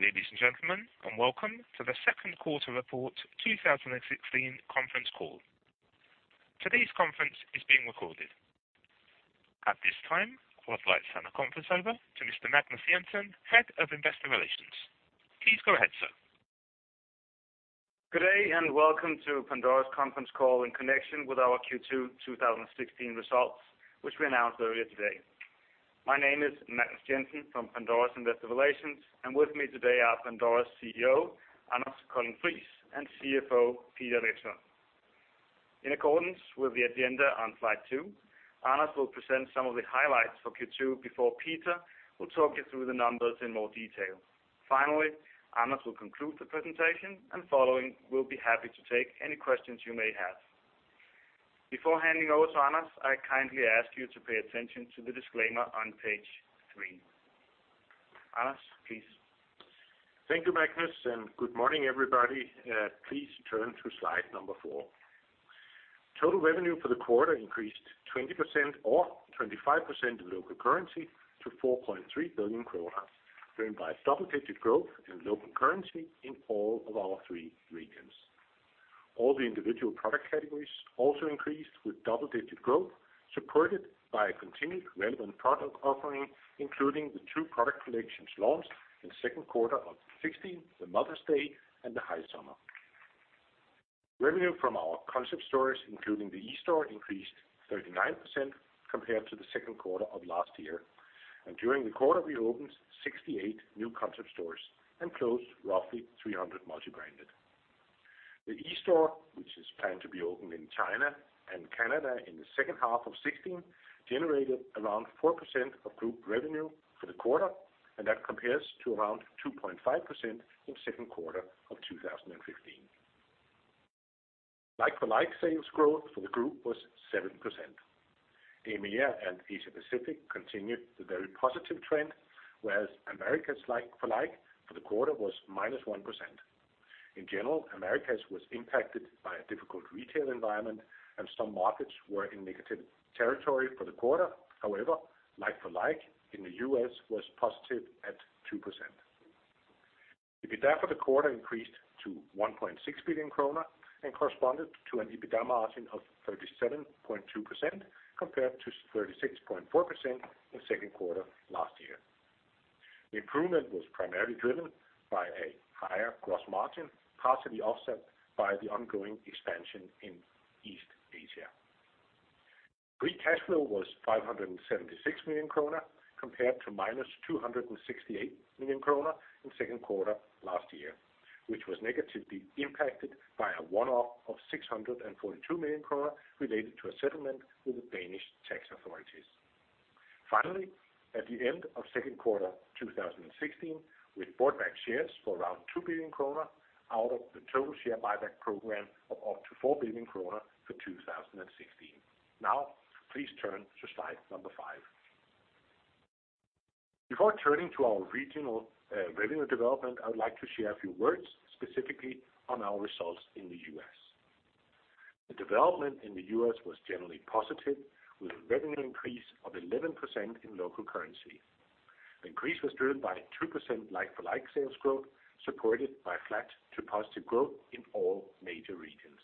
Good day, ladies and gentlemen, and welcome to the second quarter report, 2016 conference call. Today's conference is being recorded. At this time, I would like to turn the conference over to Mr. Magnus Jensen, Head of Investor Relations. Please go ahead, sir. Good day, and welcome to Pandora's conference call in connection with our Q2, 2016 results, which we announced earlier today. My name is Magnus Jensen from Pandora's Investor Relations, and with me today are Pandora's CEO, Anders Colding-Friis, and CFO, Peter Vekslund. In accordance with the agenda on slide 2, Anders will present some of the highlights for Q2 before Peter will talk you through the numbers in more detail. Finally, Anders will conclude the presentation, and following, we'll be happy to take any questions you may have. Before handing over to Anders, I kindly ask you to pay attention to the disclaimer on page 3. Anders, please. Thank you, Magnus, and good morning, everybody. Please turn to slide number four. Total revenue for the quarter increased 20% or 25% in local currency to 4.3 billion krone, driven by double-digit growth in local currency in all of our three regions. All the individual product categories also increased with double-digit growth, supported by a continued relevant product offering, including the two product collections launched in second quarter of 2016, the Mother's Day and the High Summer. Revenue from our concept stores, including the eSTORE, increased 39% compared to the second quarter of last year, and during the quarter, we opened 68 new concept stores and closed roughly 300 multi-branded. The eSTORE, which is planned to be opened in China and Canada in the second half of 2016, generated around 4% of group revenue for the quarter, and that compares to around 2.5% in second quarter of 2015. Like-for-like sales growth for the group was 7%. EMEA and Asia Pacific continued the very positive trend, whereas Americas like-for-like for the quarter was -1%. In general, Americas was impacted by a difficult retail environment, and some markets were in negative territory for the quarter. However, like-for-like in the US was positive at 2%. EBITDA for the quarter increased to 1.6 billion kroner and corresponded to an EBITDA margin of 37.2%, compared to 36.4% in second quarter last year. The improvement was primarily driven by a higher gross margin, partially offset by the ongoing expansion in East Asia. Free cash flow was 576 million kroner, compared to -268 million kroner in second quarter last year, which was negatively impacted by a one-off of 642 million kroner related to a settlement with the Danish tax authorities. Finally, at the end of second quarter, 2016, we bought back shares for around 2 billion kroner out of the total share buyback program of up to 4 billion kroner for 2016. Now, please turn to slide number 5. Before turning to our regional revenue development, I would like to share a few words, specifically on our results in the US. The development in the US was generally positive, with a revenue increase of 11% in local currency. The increase was driven by 2% like-for-like sales growth, supported by flat to positive growth in all major regions.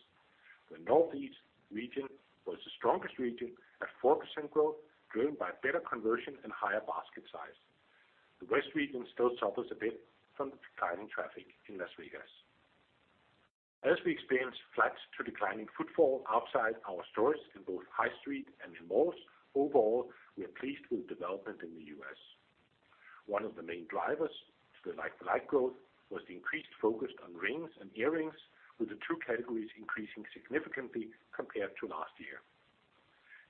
The Northeast region was the strongest region at 4% growth, driven by better conversion and higher basket size. The West region still suffers a bit from the declining traffic in Las Vegas. As we experience flat to declining footfall outside our stores in both high street and in malls, overall, we are pleased with development in the US. One of the main drivers to the like-for-like growth was the increased focus on rings and earrings, with the two categories increasing significantly compared to last year.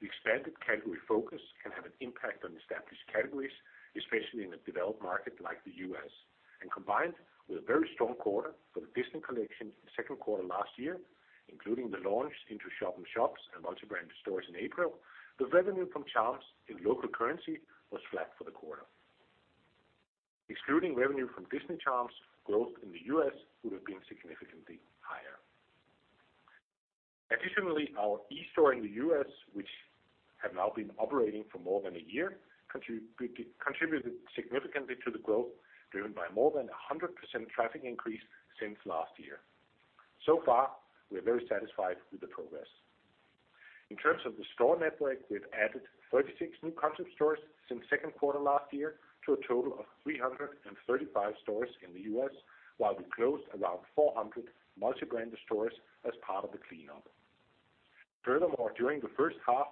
The expanded category focus can have an impact on established categories, especially in a developed market like the US, and combined with a very strong quarter for the Disney Collection in the second quarter last year, including the launch into shop-in-shops and multi-brand stores in April, the revenue from charms in local currency was flat for the quarter. Excluding revenue from Disney charms, growth in the US would have been significantly higher. Additionally, our eSTORE in the US, which have now been operating for more than a year, contributed significantly to the growth, driven by more than 100% traffic increase since last year. So far, we are very satisfied with the progress. In terms of the store network, we've added 36 new concept stores since second quarter last year, to a total of 335 stores in the U.S., while we closed around 400 multi-branded stores as part of the cleanup. Furthermore, during the first half,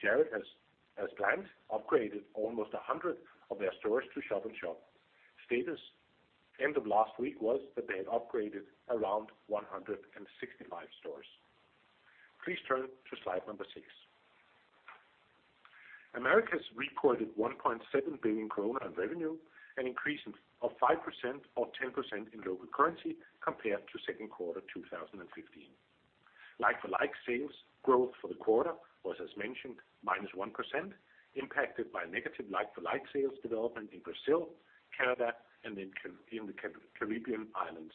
Jared, as planned, upgraded almost 100 of their stores to shop-in-shop. Status end of last week was that they had upgraded around 165 stores. Please turn to slide 6. Americas recorded 1.7 billion in revenue, an increase of 5% or 10% in local currency compared to second quarter 2015. Like-for-like sales growth for the quarter was, as mentioned, -1%, impacted by negative like-for-like sales development in Brazil, Canada, and in the Caribbean islands.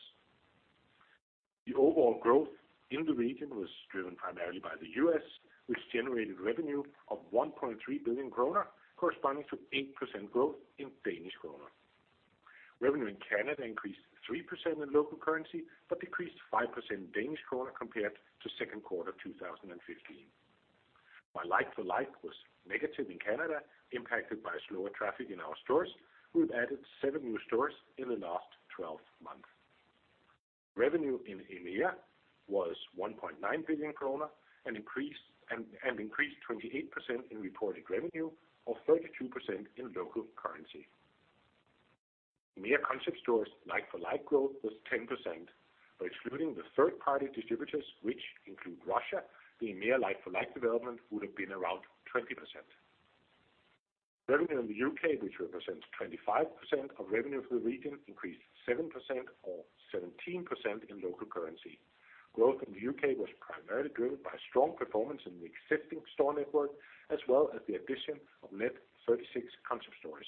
The overall growth in the region was driven primarily by the U.S., which generated revenue of 1.3 billion kroner, corresponding to 8% growth in Danish kroner. Revenue in Canada increased 3% in local currency, but decreased 5% in Danish kroner compared to second quarter, 2015. While like-for-like was negative in Canada, impacted by slower traffic in our stores, we've added seven new stores in the last 12 months. Revenue in EMEA was 1.9 billion krone, and increased 28% in reported revenue, or 32% in local currency. EMEA concept stores Like-for-like growth was 10%, but excluding the third-party distributors, which include Russia, the EMEA Like-for-like development would have been around 20%. Revenue in the UK, which represents 25% of revenue for the region, increased 7% or 17% in local currency. Growth in the UK was primarily driven by strong performance in the existing store network, as well as the addition of net 36 concept stores.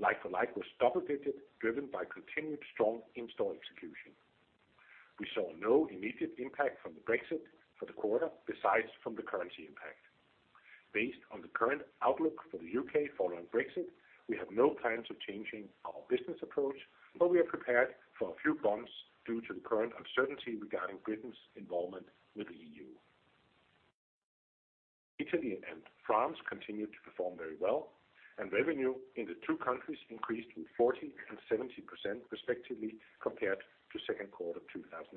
Like-for-like was double digits, driven by continued strong in-store execution. We saw no immediate impact from the Brexit for the quarter, besides from the currency impact. Based on the current outlook for the UK following Brexit, we have no plans of changing our business approach, but we are prepared for a few bumps due to the current uncertainty regarding Britain's involvement with the EU. Italy and France continued to perform very well, and revenue in the two countries increased with 14% and 17%, respectively, compared to second quarter 2015.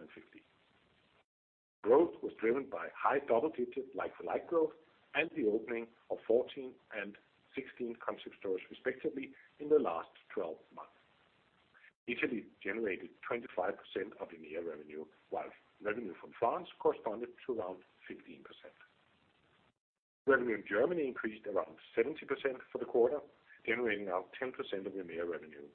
Growth was driven by high double digits like-for-like growth and the opening of 14 and 16 concept stores, respectively, in the last 12 months. Italy generated 25% of EMEA revenue, while revenue from France corresponded to around 15%. Revenue in Germany increased around 70% for the quarter, generating around 10% of EMEA revenue.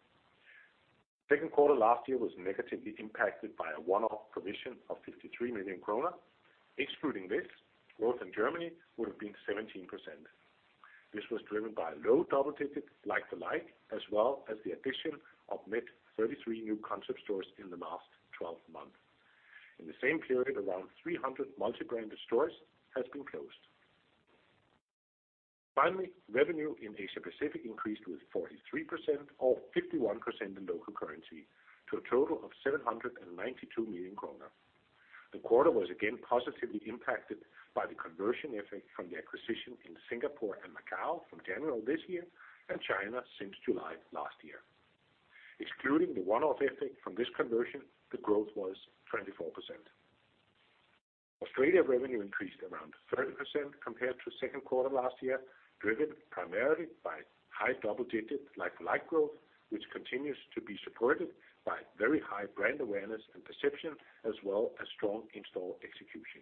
Second quarter last year was negatively impacted by a one-off provision of 53 million kroner. Excluding this, growth in Germany would have been 17%. This was driven by low double digits like-for-like, as well as the addition of net 33 new concept stores in the last 12 months. In the same period, around 300 multi-branded stores has been closed. Finally, revenue in Asia Pacific increased with 43%, or 51% in local currency, to a total of 792 million kroner. The quarter was again positively impacted by the conversion effect from the acquisition in Singapore and Macau from January of this year and China since July last year. Excluding the one-off effect from this conversion, the growth was 24%. Australia revenue increased around 30% compared to second quarter last year, driven primarily by high double digits like-for-like growth, which continues to be supported by very high brand awareness and perception, as well as strong in-store execution.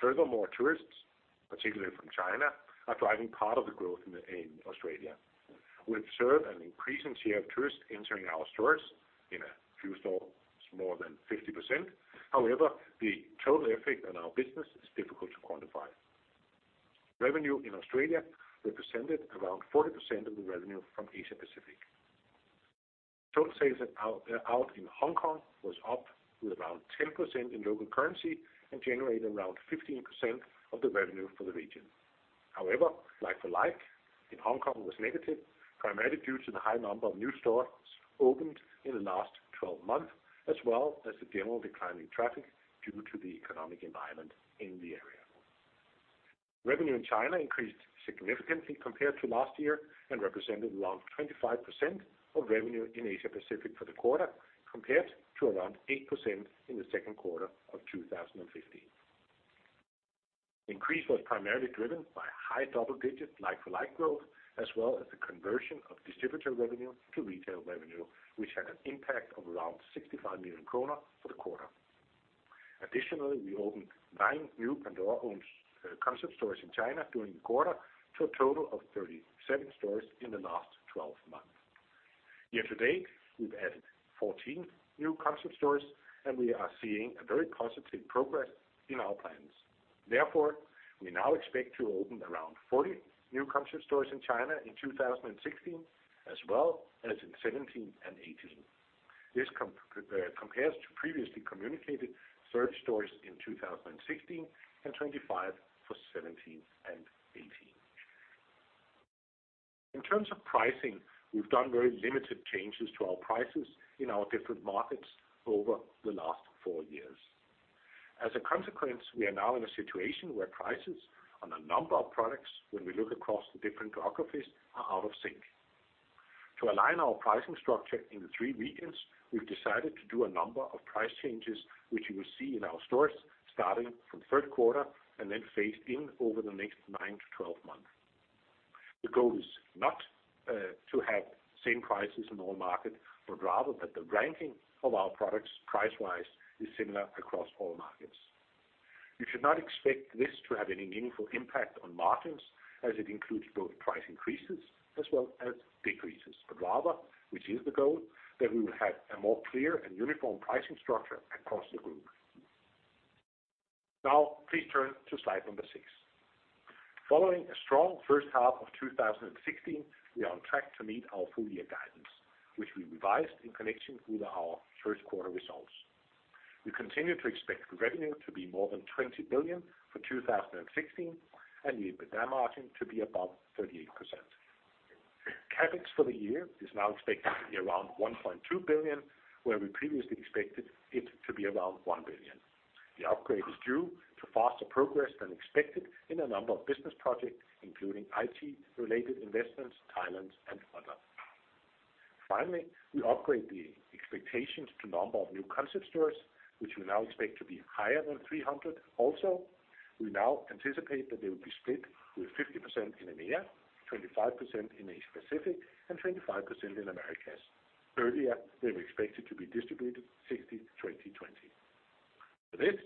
Furthermore, tourists, particularly from China, are driving part of the growth in Australia. We observe an increasing share of tourists entering our stores. In a few stores, more than 50%. However, the total effect on our business is difficult to quantify. Revenue in Australia represented around 40% of the revenue from Asia Pacific. Total sales in Hong Kong was up with around 10% in local currency and generated around 15% of the revenue for the region. However, like-for-like in Hong Kong was negative, primarily due to the high number of new stores opened in the last twelve months, as well as the general declining traffic due to the economic environment in the area. Revenue in China increased significantly compared to last year and represented around 25% of revenue in Asia Pacific for the quarter, compared to around 8% in the second quarter of 2015. Increase was primarily driven by high double-digit, like-for-like growth, as well as the conversion of distributor revenue to retail revenue, which had an impact of around 65 million kroner for the quarter. Additionally, we opened 9 new Pandora-owned Concept Stores in China during the quarter, to a total of 37 stores in the last twelve months. Year to date, we've added 14 new Concept Stores, and we are seeing a very positive progress in our plans. Therefore, we now expect to open around 40 new Concept Stores in China in 2016, as well as in 2017 and 2018. This compares to previously communicated 30 stores in 2016 and 25 for 2017 and 2018. In terms of pricing, we've done very limited changes to our prices in our different markets over the last four years. As a consequence, we are now in a situation where prices on a number of products, when we look across the different geographies, are out of sync. To align our pricing structure in the three regions, we've decided to do a number of price changes, which you will see in our stores starting from the third quarter and then phased in over the next 9-12 months. The goal is not to have same prices in all markets, but rather that the ranking of our products, price-wise, is similar across all markets. You should not expect this to have any meaningful impact on margins, as it includes both price increases as well as decreases, but rather, which is the goal, that we will have a more clear and uniform pricing structure across the world.... Now, please turn to slide 6. Following a strong first half of 2016, we are on track to meet our full year guidance, which we revised in connection with our first quarter results. We continue to expect the revenue to be more than 20 billion for 2016, and the EBITDA margin to be above 38%. CapEx for the year is now expected to be around 1.2 billion, where we previously expected it to be around 1 billion. The upgrade is due to faster progress than expected in a number of business projects, including IT related investments, Thailand, and other. Finally, we upgrade the expectations to number of new concept stores, which we now expect to be higher than 300. Also, we now anticipate that they will be split with 50% in EMEA, 25% in Asia Pacific, and 25% in Americas. Earlier, they were expected to be distributed 60, 20, 20. With this,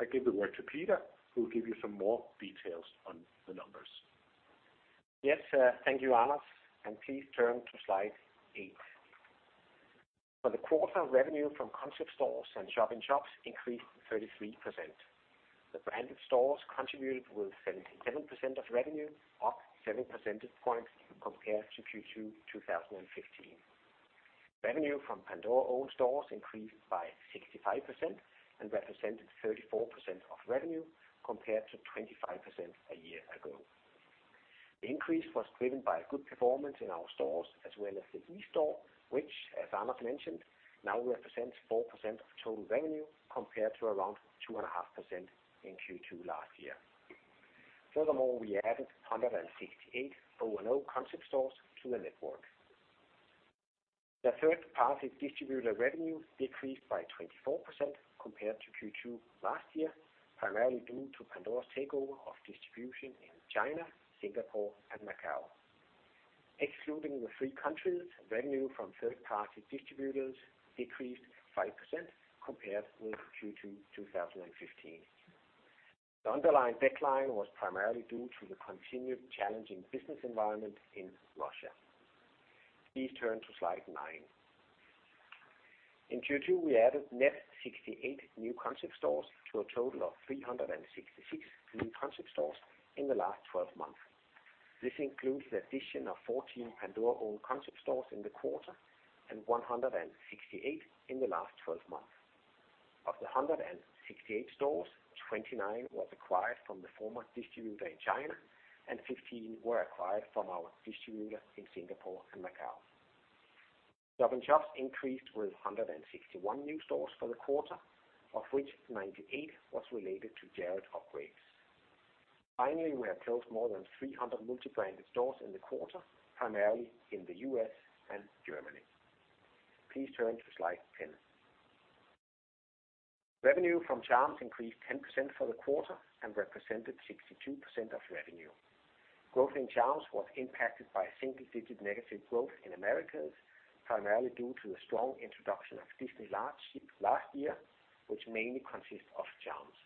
I give the word to Peter, who will give you some more details on the numbers. Yes, sir. Thank you, Anders, and please turn to slide eight. For the quarter, revenue from concept stores and shop-in-shops increased 33%. The branded stores contributed with 77% of revenue, up 7 percentage points compared to Q2 2015. Revenue from Pandora-owned stores increased by 65% and represented 34% of revenue, compared to 25% a year ago. The increase was driven by a good performance in our stores, as well as the eSTORE, which, as Anders mentioned, now represents 4% of total revenue, compared to around 2.5% in Q2 last year. Furthermore, we added 168 O&O concept stores to the network. The third-party distributor revenue decreased by 24% compared to Q2 last year, primarily due to Pandora's takeover of distribution in China, Singapore, and Macau. Excluding the three countries, revenue from third-party distributors decreased 5% compared with Q2 2015. The underlying decline was primarily due to the continued challenging business environment in Russia. Please turn to slide 9. In Q2, we added net 68 new Concept Stores to a total of 366 new Concept Stores in the last twelve months. This includes the addition of 14 Pandora-owned Concept Stores in the quarter and 168 in the last twelve months. Of the 168 stores, 29 was acquired from the former distributor in China, and 15 were acquired from our distributor in Singapore and Macau. Shop-in-shops increased with 161 new stores for the quarter, of which 98 was related to Jared upgrades. Finally, we have closed more than 300 Multi-branded stores in the quarter, primarily in the U.S. and Germany. Please turn to slide 10. Revenue from charms increased 10% for the quarter and represented 62% of revenue. Growth in charms was impacted by a single digit negative growth in Americas, primarily due to the strong introduction of Disney last, last year, which mainly consists of charms.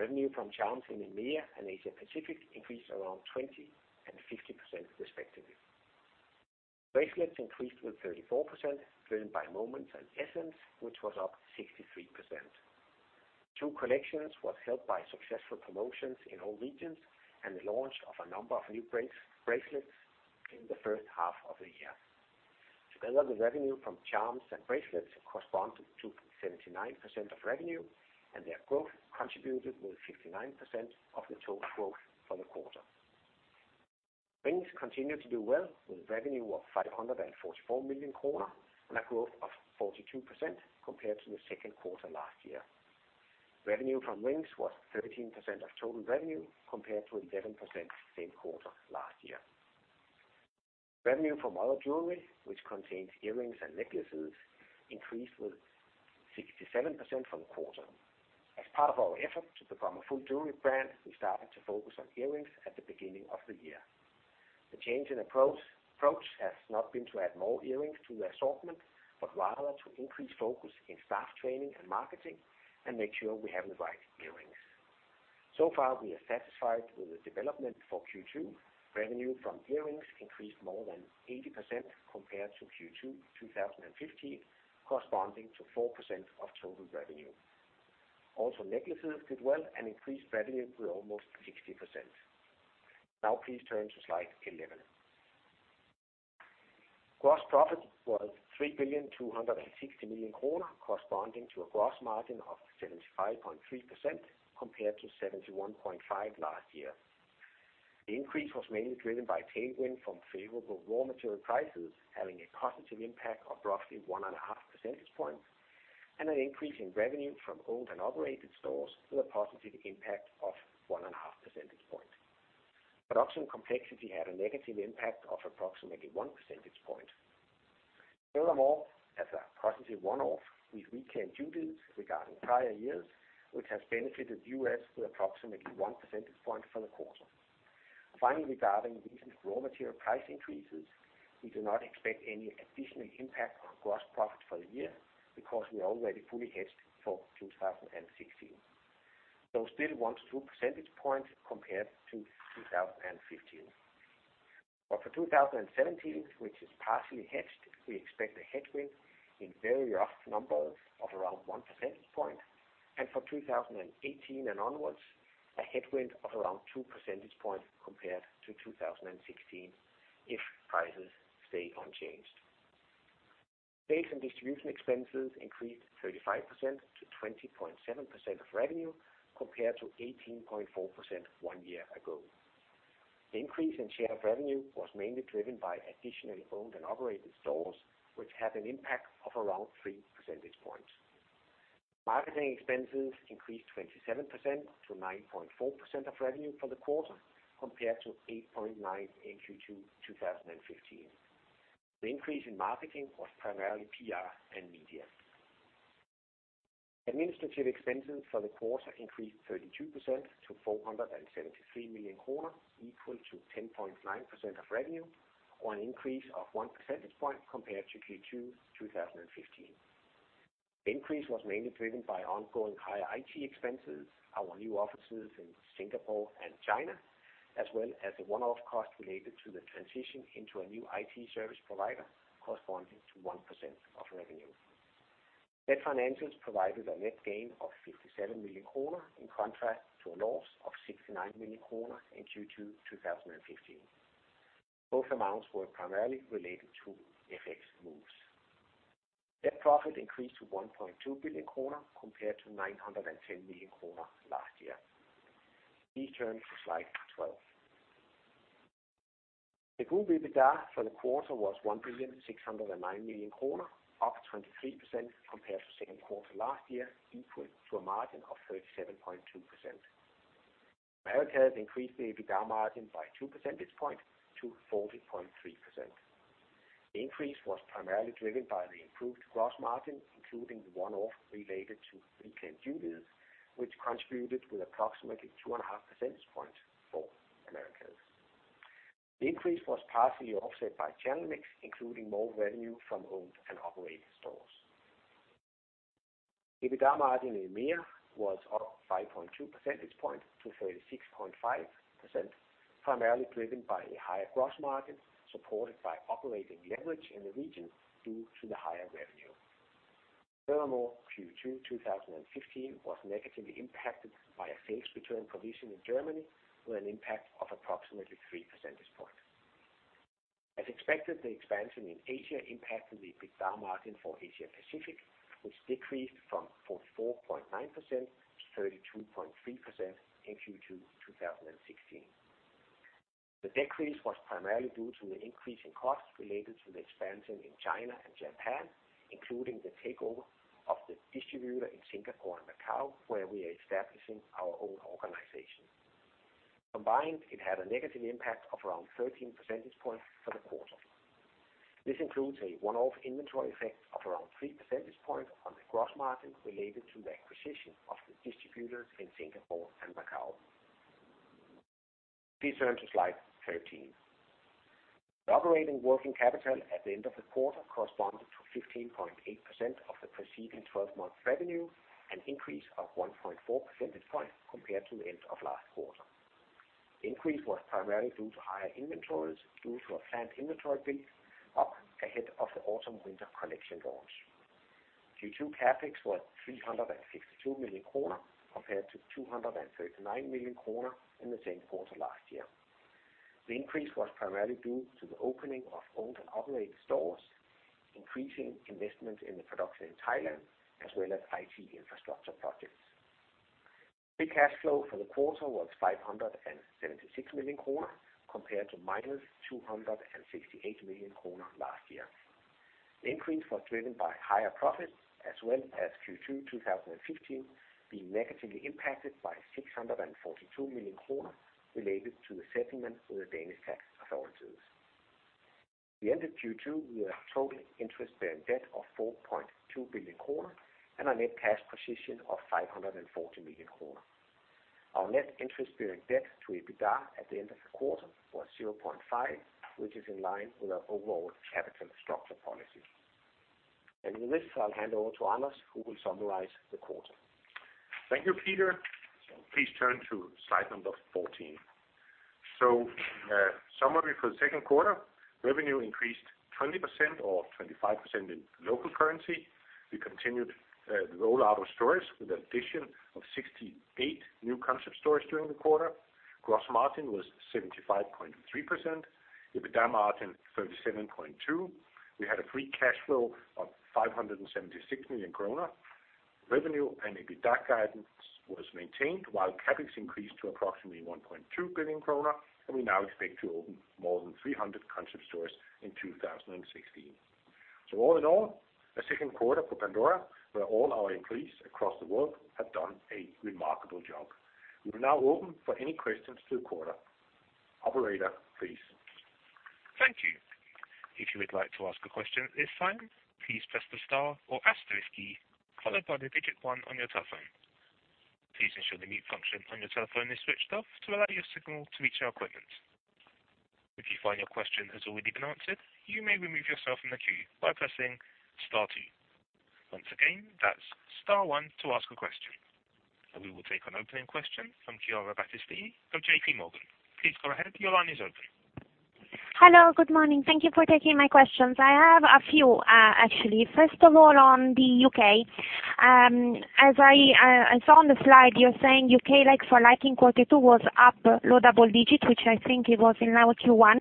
Revenue from charms in EMEA and Asia Pacific increased around 20% and 50%, respectively. Bracelets increased with 34%, driven by Moments and Essence, which was up 63%. Two collections was helped by successful promotions in all regions and the launch of a number of new brace-bracelets in the first half of the year. Together, the revenue from charms and bracelets correspond to 79% of revenue, and their growth contributed with 59% of the total growth for the quarter. Rings continued to do well, with revenue of 544 million kroner and a growth of 42% compared to the second quarter last year. Revenue from rings was 13% of total revenue, compared to 11% same quarter last year. Revenue from other jewelry, which contains earrings and necklaces, increased with 67% from quarter. As part of our effort to become a full jewelry brand, we started to focus on earrings at the beginning of the year. The change in approach has not been to add more earrings to the assortment, but rather to increase focus in staff training and marketing and make sure we have the right earrings. So far, we are satisfied with the development for Q2. Revenue from earrings increased more than 80% compared to Q2 2015, corresponding to 4% of total revenue. Also, necklaces did well and increased revenue to almost 60%. Now, please turn to slide 11. Gross profit was 3,260 million kroner, corresponding to a gross margin of 75.3%, compared to 71.5% last year. The increase was mainly driven by tailwind from favorable raw material prices, having a positive impact of roughly 1.5 percentage points, and an increase in revenue from owned and operated stores with a positive impact of 1.5 percentage point. Production complexity had a negative impact of approximately 1 percentage point. Furthermore, as a positive one-off, we reclaimed duties regarding prior years, which has benefited the US with approximately 1 percentage point for the quarter. Finally, regarding recent raw material price increases, we do not expect any additional impact on gross profit for the year because we are already fully hedged for 2016. So still 1-2 percentage points compared to 2015. But for 2017, which is partially hedged, we expect a headwind in very rough numbers of around 1 percentage point, and for 2018 and onwards, a headwind of around 2 percentage points compared to 2016, if prices stay unchanged. Sales and distribution expenses increased 35% to 20.7% of revenue, compared to 18.4% one year ago. The increase in share of revenue was mainly driven by additionally owned and operated stores, which had an impact of around 3 percentage points. Marketing expenses increased 27% to 9.4% of revenue for the quarter, compared to 8.9% in Q2 2015. The increase in marketing was primarily PR and media. Administrative expenses for the quarter increased 32% to 473 million kroner, equal to 10.9% of revenue, or an increase of 1 percentage point compared to Q2 2015. The increase was mainly driven by ongoing higher IT expenses, our new offices in Singapore and China, as well as a one-off cost related to the transition into a new IT service provider, corresponding to 1% of revenue. Net financials provided a net gain of 57 million kroner, in contrast to a loss of 69 million kroner in Q2 2015. Both amounts were primarily related to FX moves. Net profit increased to 1.2 billion kroner, compared to 910 million kroner last year. Please turn to slide 12. The group EBITDA for the quarter was 1,609 million kroner, up 23% compared to second quarter last year, equal to a margin of 37.2%. Americas increased the EBITDA margin by two percentage points to 40.3%. The increase was primarily driven by the improved gross margin, including the one-off related to reclaimed duties, which contributed with approximately 2.5 percentage points for Americas. The increase was partially offset by channel mix, including more revenue from owned and operated stores. EBITDA margin in EMEA was up 5.2 percentage points to 36.5%, primarily driven by a higher gross margin, supported by operating leverage in the region due to the higher revenue. Furthermore, Q2 2015 was negatively impacted by a sales return provision in Germany, with an impact of approximately 3 percentage points. As expected, the expansion in Asia impacted the EBITDA margin for Asia Pacific, which decreased from 44.9% to 32.3% in Q2 2016. The decrease was primarily due to an increase in costs related to the expansion in China and Japan, including the takeover of the distributor in Singapore and Macau, where we are establishing our own organization. Combined, it had a negative impact of around 13 percentage points for the quarter. This includes a one-off inventory effect of around 3 percentage points on the gross margin related to the acquisition of the distributors in Singapore and Macau. Please turn to slide 13. The operating working capital at the end of the quarter corresponded to 15.8% of the preceding twelve-month revenue, an increase of 1.4 percentage points compared to the end of last quarter. The increase was primarily due to higher inventories, due to a planned inventory build up ahead of the autumn-winter collection launch. Q2 CapEx was 362 million kroner, compared to 239 million kroner in the same quarter last year. The increase was primarily due to the opening of owned and operated stores, increasing investment in the production in Thailand, as well as IT infrastructure projects. Free cash flow for the quarter was 576 million kroner, compared to -268 million kroner last year. The increase was driven by higher profits, as well as Q2 2015 being negatively impacted by 642 million kroner related to the settlement with the Danish tax authorities. At the end of Q2, we had total interest bearing debt of 4.2 billion kroner and a net cash position of 540 million kroner. Our net interest bearing debt to EBITDA at the end of the quarter was 0.5, which is in line with our overall capital structure policy. With this, I'll hand over to Anders, who will summarize the quarter. Thank you, Peter. Please turn to slide number 14. So, summary for the second quarter, revenue increased 20% or 25% in local currency. We continued the rollout of stores with the addition of 68 new concept stores during the quarter. Gross margin was 75.3%, EBITDA margin 37.2%. We had a free cash flow of 576 million kroner. Revenue and EBITDA guidance was maintained, while CapEx increased to approximately 1.2 billion kroner, and we now expect to open more than 300 concept stores in 2016. So all in all, a second quarter for Pandora, where all our employees across the world have done a remarkable job. We will now open for any questions to the quarter. Operator, please. Thank you. If you would like to ask a question at this time, please press the star or asterisk key, followed by the digit one on your telephone. Please ensure the mute function on your telephone is switched off to allow your signal to reach our equipment. If you find your question has already been answered, you may remove yourself from the queue by pressing star two. Once again, that's star one to ask a question.... And we will take an opening question from Chiara Battistini from J.P. Morgan. Please go ahead. Your line is open. Hello, good morning. Thank you for taking my questions. I have a few, actually. First of all, on the UK, as I saw on the slide, you're saying UK like-for-like in quarter two was up low double digits, which I think it was in now Q1.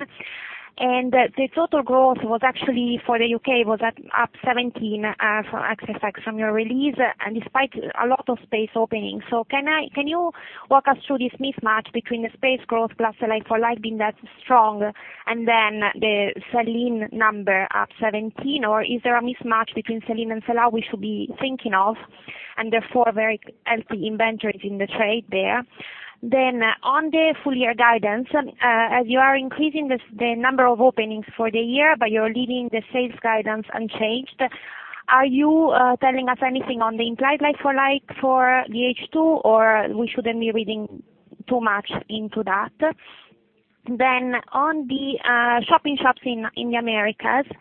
The total growth was actually for the UK was at up 17 from access facts from your release, and despite a lot of space opening. So can you walk us through this mismatch between the space growth plus the like-for-like being that strong, and then the sell-in number up 17? Or is there a mismatch between sell-in and sell-out we should be thinking of, and therefore very healthy inventories in the trade there? Then, on the full year guidance, as you are increasing the number of openings for the year, but you're leaving the sales guidance unchanged, are you telling us anything on the implied like-for-like for H2, or we shouldn't be reading too much into that? Then on the shop-in-shops in the Americas,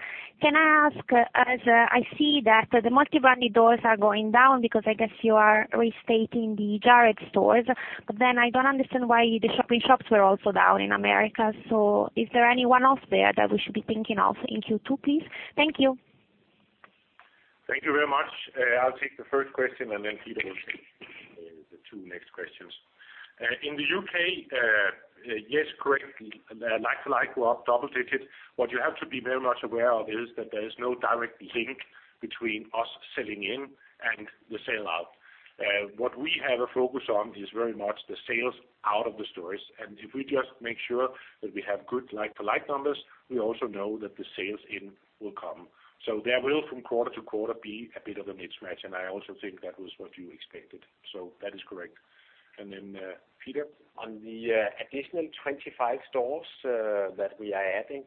can I ask, as I see that the multi-branded doors are going down because I guess you are restating the Jared stores, but then I don't understand why the shop-in-shops were also down in Americas. So is there any one-off there that we should be thinking of in Q2, please? Thank you. Thank you very much. I'll take the first question, and then Peter will take the two next questions. In the UK, yes, correct. Like-for-like, we're up double digits. What you have to be very much aware of is that there is no direct link between us selling in and the sell-out. What we have a focus on is very much the sell-out of the stores, and if we just make sure that we have good like-for-like numbers, we also know that the sell-in will come. So there will, from quarter to quarter, be a bit of a mismatch, and I also think that was what you expected. So that is correct. And then, Peter? On the additional 25 stores that we are adding,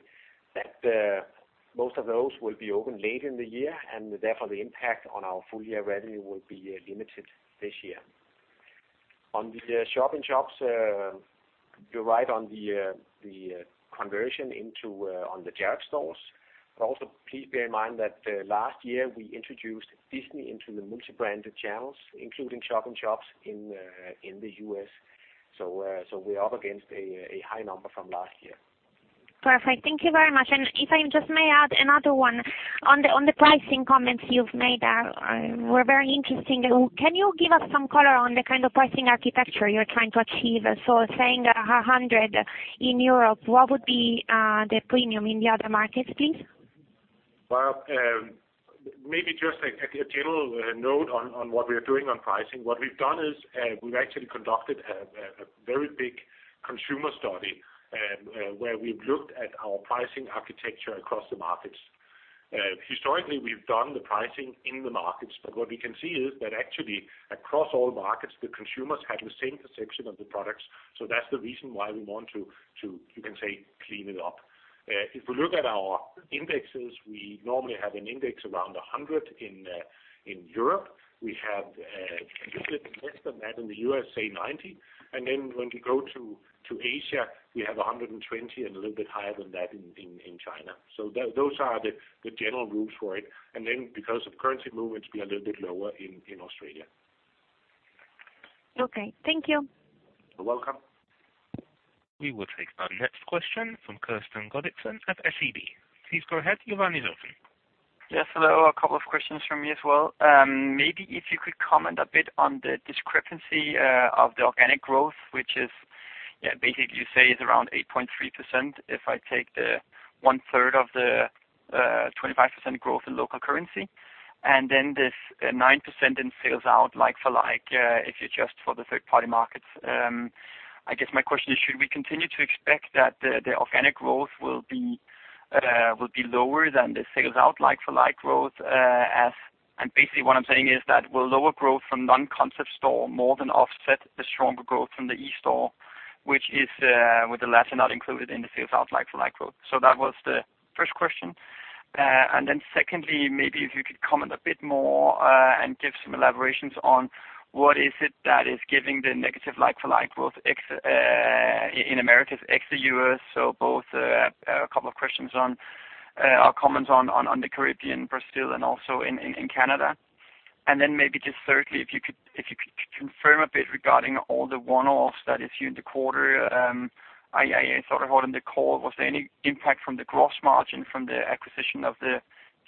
most of those will be open late in the year, and therefore, the impact on our full year revenue will be limited this year. On the shop-in-shops, you're right on the conversion into on the Jared stores. But also, please bear in mind that last year, we introduced Disney into the multi-branded channels, including shop-in-shops in the U.S. So, we're up against a high number from last year. Perfect. Thank you very much. And if I just may add another one, on the pricing comments you've made, were very interesting. Can you give us some color on the kind of pricing architecture you're trying to achieve? So saying 100 in Europe, what would be the premium in the other markets, please? Well, maybe just a general note on what we are doing on pricing. What we've done is, we've actually conducted a very big consumer study, where we've looked at our pricing architecture across the markets. Historically, we've done the pricing in the markets, but what we can see is that actually, across all markets, the consumers have the same perception of the products. So that's the reason why we want to, you can say, clean it up. If we look at our indexes, we normally have an index around 100 in, in Europe. We have, a little bit less than that in the U.S., say 90. And then when we go to Asia, we have 120, and a little bit higher than that in China. So those are the general rules for it. And then, because of currency movements, we are a little bit lower in Australia. Okay. Thank you. You're welcome. We will take our next question from Kristian Godiksen at SEB. Please go ahead. Your line is open. Yes, hello. A couple of questions from me as well. Maybe if you could comment a bit on the discrepancy of the organic growth, which is, yeah, basically you say is around 8.3%, if I take the one third of the 25% growth in local currency, and then this 9% in sell-out like-for-like, if you adjust for the third-party markets. I guess my question is, should we continue to expect that the organic growth will be lower than the sell-out like-for-like growth, as and basically what I'm saying is that, will lower growth from non-concept store more than offset the stronger growth from the e-store, which is with the latter not included in the sell-out like-for-like growth? So that was the first question. And then secondly, maybe if you could comment a bit more, and give some elaborations on what is it that is giving the negative like-for-like growth ex- in Americas, ex the US, so both, a couple of questions on, or comments on, the Caribbean, Brazil, and also in Canada. And then maybe just thirdly, if you could confirm a bit regarding all the one-offs that is here in the quarter, I saw it on the call. Was there any impact from the gross margin from the acquisition of the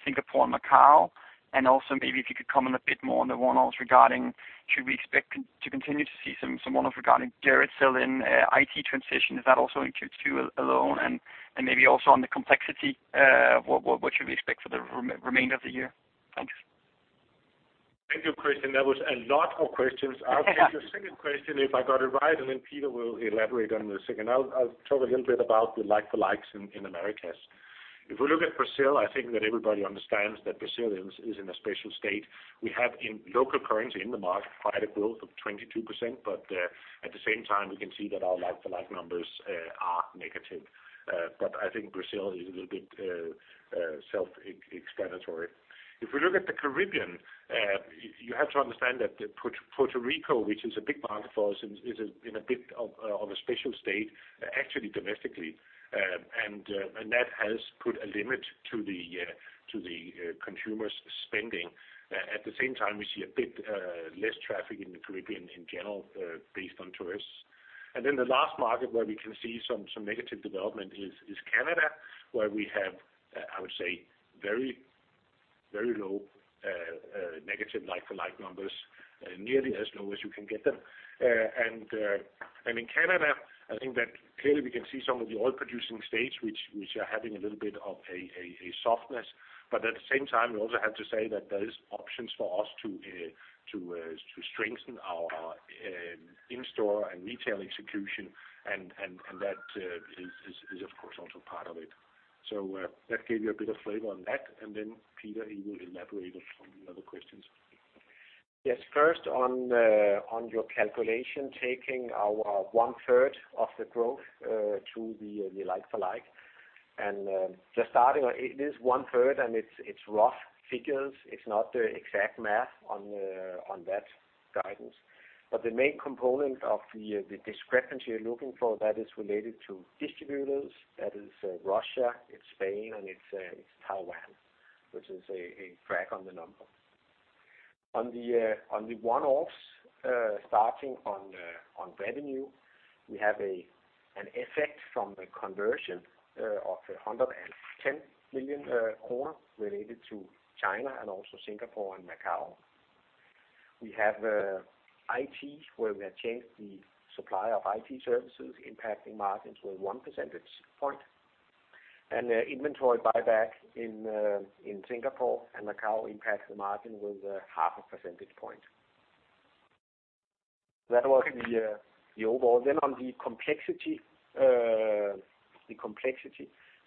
Singapore and Macau? And also, maybe if you could comment a bit more on the one-offs regarding, should we expect to continue to see some one-off regarding Jared sell-in, IT transition? Is that also in Q2 alone? Maybe also on the complexity, what should we expect for the remainder of the year? Thanks. Thank you, Kristian. That was a lot of questions. I'll take the second question, if I got it right, and then Peter will elaborate on the second. I'll talk a little bit about the like-for-like in Americas. If we look at Brazil, I think that everybody understands that Brazil is in a special state. We have in local currency in the market, quite a growth of 22%, but at the same time, we can see that our like-for-like numbers are negative. But I think Brazil is a little bit self-explanatory. If we look at the Caribbean, you have to understand that Puerto Rico, which is a big market for us, is in a bit of a special state, actually domestically. And that has put a limit to the consumers' spending. At the same time, we see a bit less traffic in the Caribbean in general, based on tourists. And then the last market where we can see some negative development is Canada, where we have, I would say, very, very low negative like-for-like numbers, nearly as low as you can get them. And in Canada, I think that clearly we can see some of the oil-producing states, which are having a little bit of a softness. But at the same time, we also have to say that there is options for us to strengthen our in-store and retail execution, and that is, of course, also part of it. That gave you a bit of flavor on that, and then Peter, he will elaborate on some other questions. Yes, first on your calculation, taking our one third of the growth to the like-for-like, and just starting on, it is one third, and it's rough figures. It's not the exact math on that guidance. But the main component of the discrepancy you're looking for, that is related to distributors, that is Russia, it's Spain, and it's Taiwan, which is a drag on the number. On the one-offs, starting on revenue, we have an effect from the conversion of 110 million kroner related to China and also Singapore and Macau. We have IT, where we have changed the supply of IT services, impacting margins with 1 percentage point, and the inventory buyback in Singapore and Macau impacts the margin with 0.5 percentage point. That was the overall. Then on the complexity,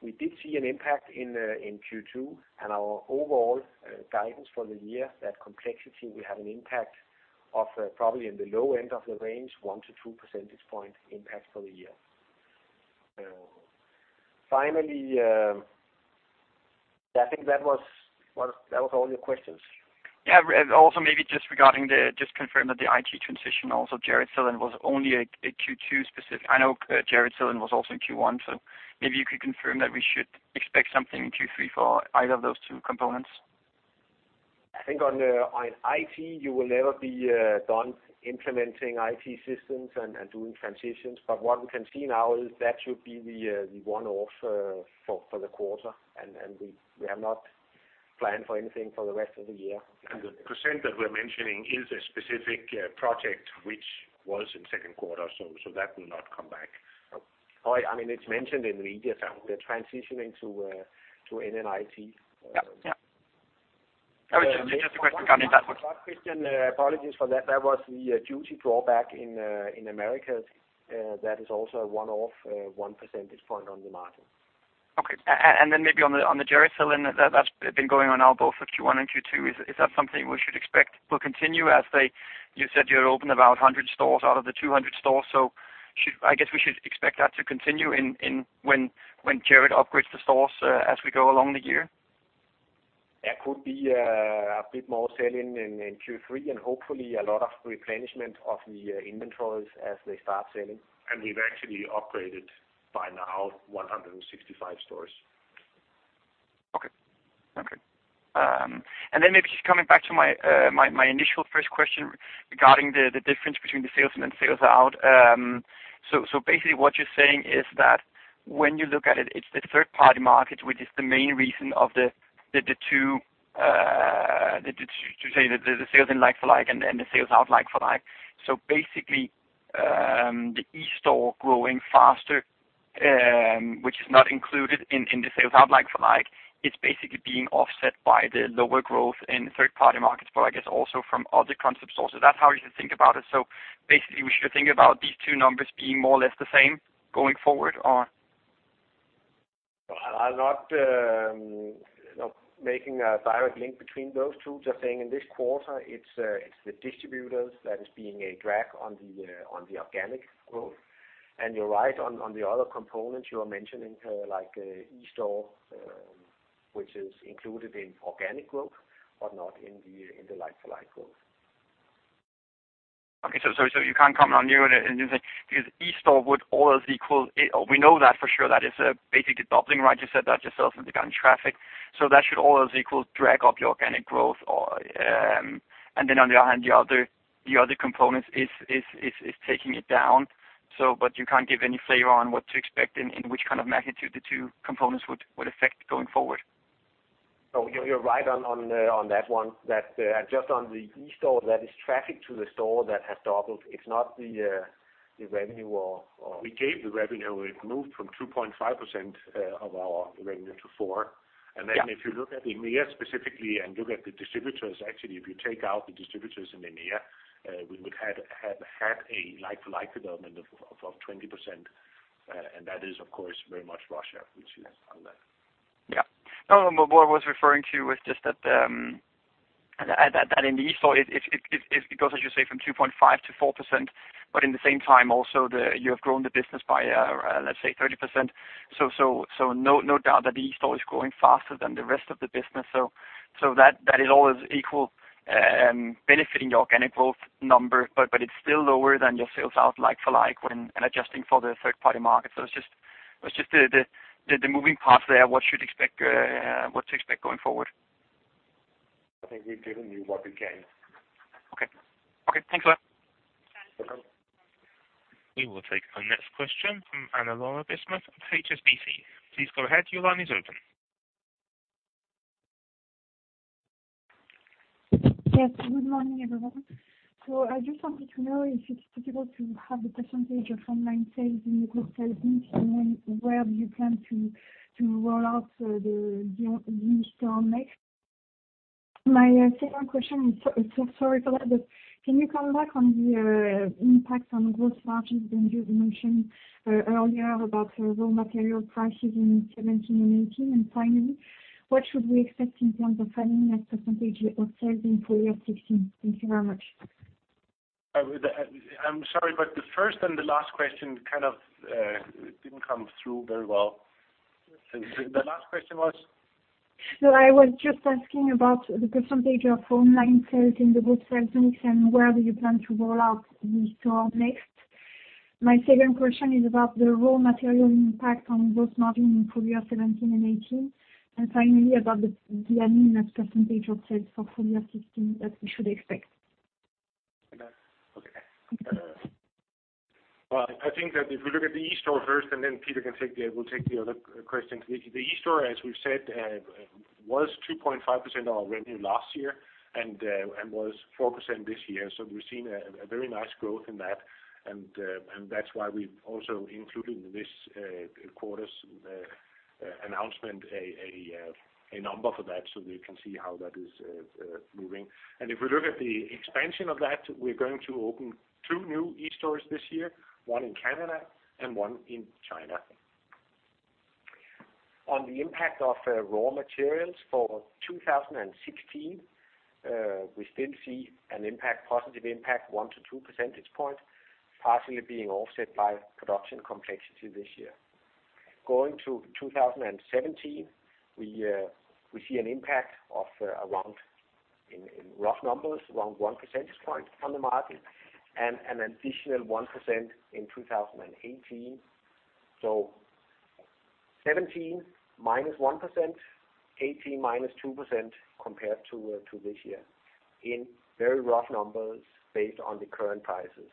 we did see an impact in Q2 and our overall guidance for the year, that complexity will have an impact of probably in the low end of the range, 1-2 percentage point impact for the year. Finally, I think that was all your questions. Yeah, and also maybe just regarding the, just confirm that the IT transition also Jared sell-in was only a Q2 specific. I know Jared sell-in was also in Q1, so maybe you could confirm that we should expect something in Q3 for either of those two components? I think on the, on IT, you will never be, done implementing IT systems and, and doing transitions, but what we can see now is that should be the, the one-off, for, for the quarter. And, and we, we have not planned for anything for the rest of the year. The percent that we're mentioning is a specific project, which was in second quarter, so that will not come back. Oh, I mean, it's mentioned in the media that we're transitioning to NNIT. Yeah, yeah. I was just a question coming back- One question, apologies for that. That was the duty drawback in Americas. That is also a one-off, one percentage point on the margin. Okay, and then maybe on the, on the Jared sell-in, that's been going on now both for Q1 and Q2, is that something we should expect will continue as they... You said you're open about 100 stores out of the 200 stores, so I guess we should expect that to continue in, in, when Jared upgrades the stores, as we go along the year? There could be a bit more sell-in in Q3, and hopefully a lot of replenishment of the inventories as they start selling. We've actually upgraded, by now, 165 stores. Okay. Okay, and then maybe just coming back to my initial first question regarding the difference between the sales in and sales out. So basically what you're saying is that when you look at it, it's the third-party market, which is the main reason for the two, the sales in like-for-like, and then the sales out like-for-like. So basically, the eSTORE growing faster, which is not included in the sales out like-for-like, it's basically being offset by the lower growth in third-party markets, but I guess also from other concepts also. That's how you should think about it? So basically, we should think about these two numbers being more or less the same going forward, or? I'm not, you know, making a direct link between those two. Just saying in this quarter, it's, it's the distributors that is being a drag on the, on the organic growth. And you're right on, on the other components you are mentioning, like, eSTORE, which is included in organic growth, but not in the, in the like-for-like growth. Okay, so you can't comment on new and new thing, because eSTORE would all else equal, we know that for sure, that is, basically doubling, right? You said that yourself in the current traffic. So that should all else equal drag up the organic growth or, and then on the other hand, the other components is taking it down. So, but you can't give any flavor on what to expect in which kind of magnitude the two components would affect going forward? So you're right on that one, just on the eSTORE, that is traffic to the store that has doubled. It's not the revenue or- We gave the revenue, we've moved from 2.5% of our revenue to 4%. Yeah. And then if you look at EMEA specifically and look at the distributors, actually, if you take out the distributors in EMEA, we would have had a like-for-like development of 20%. And that is, of course, very much Russia, which is on that. Yeah. No, but what I was referring to was just that in the eSTORE, it goes, as you say, from 2.5%-4%, but in the same time also you have grown the business by, let's say 30%. So no doubt that the eSTORE is growing faster than the rest of the business. So that is all equal benefiting your organic growth number, but it's still lower than your sell-out like-for-like, when adjusting for the third-party market. So it's just the moving parts there, what to expect going forward? I think we've given you what we can. Okay. Okay, thanks a lot. Bye. We will take our next question from Anne-Laure Bismuth of HSBC. Please go ahead. Your line is open. Yes, good morning, everyone. So I just wanted to know if it's possible to have the percentage of online sales in the group sales mix, and then where do you plan to roll out the new store next? My second question, sorry for that, but can you comment on the impact on gross margins, and you mentioned earlier about the raw material prices in 2017 and 2018? And finally, what should we expect in terms of finding that percentage of sales in full year 2016? Thank you very much. I would, I'm sorry, but the first and the last question kind of, didn't come through very well. The last question was? So I was just asking about the percentage of online sales in the group sales mix, and where do you plan to roll out the store next? My second question is about the raw material impact on gross margin in full year 2017 and 2018, and finally, about the admin as percentage of sales for full year 2016, that we should expect. Okay. Okay. Well, I think that if we look at the e-store first, and then Peter can take the, will take the other questions. The e-store, as we've said, was 2.5% of our revenue last year, and, and that's why we also included this quarter's number for that, so we can see how that is moving. And if we look at the expansion of that, we're going to open two new e-stores this year, one in Canada and one in China. On the impact of raw materials for 2016, we still see an impact, positive impact, 1-2 percentage points, partially being offset by production complexity this year. Going to 2017, we, we see an impact of around, in, in rough numbers, around 1 percentage point on the margin and an additional 1% in 2018. So 2017, -1%, 2018, -2%, compared to, to this year, in very rough numbers based on the current prices.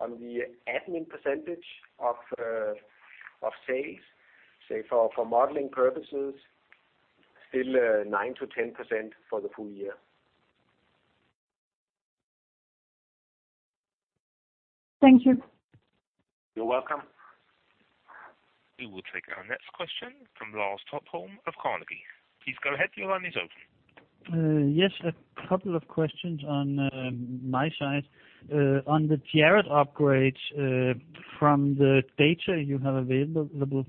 On the admin percentage of, of sales, say, for, for modeling purposes, still, 9%-10% for the full year. Thank you. You're welcome. We will take our next question from Lars Toft Holm of Carnegie. Please go ahead, your line is open. Yes, a couple of questions on my side. On the Jared upgrades, from the data you have available,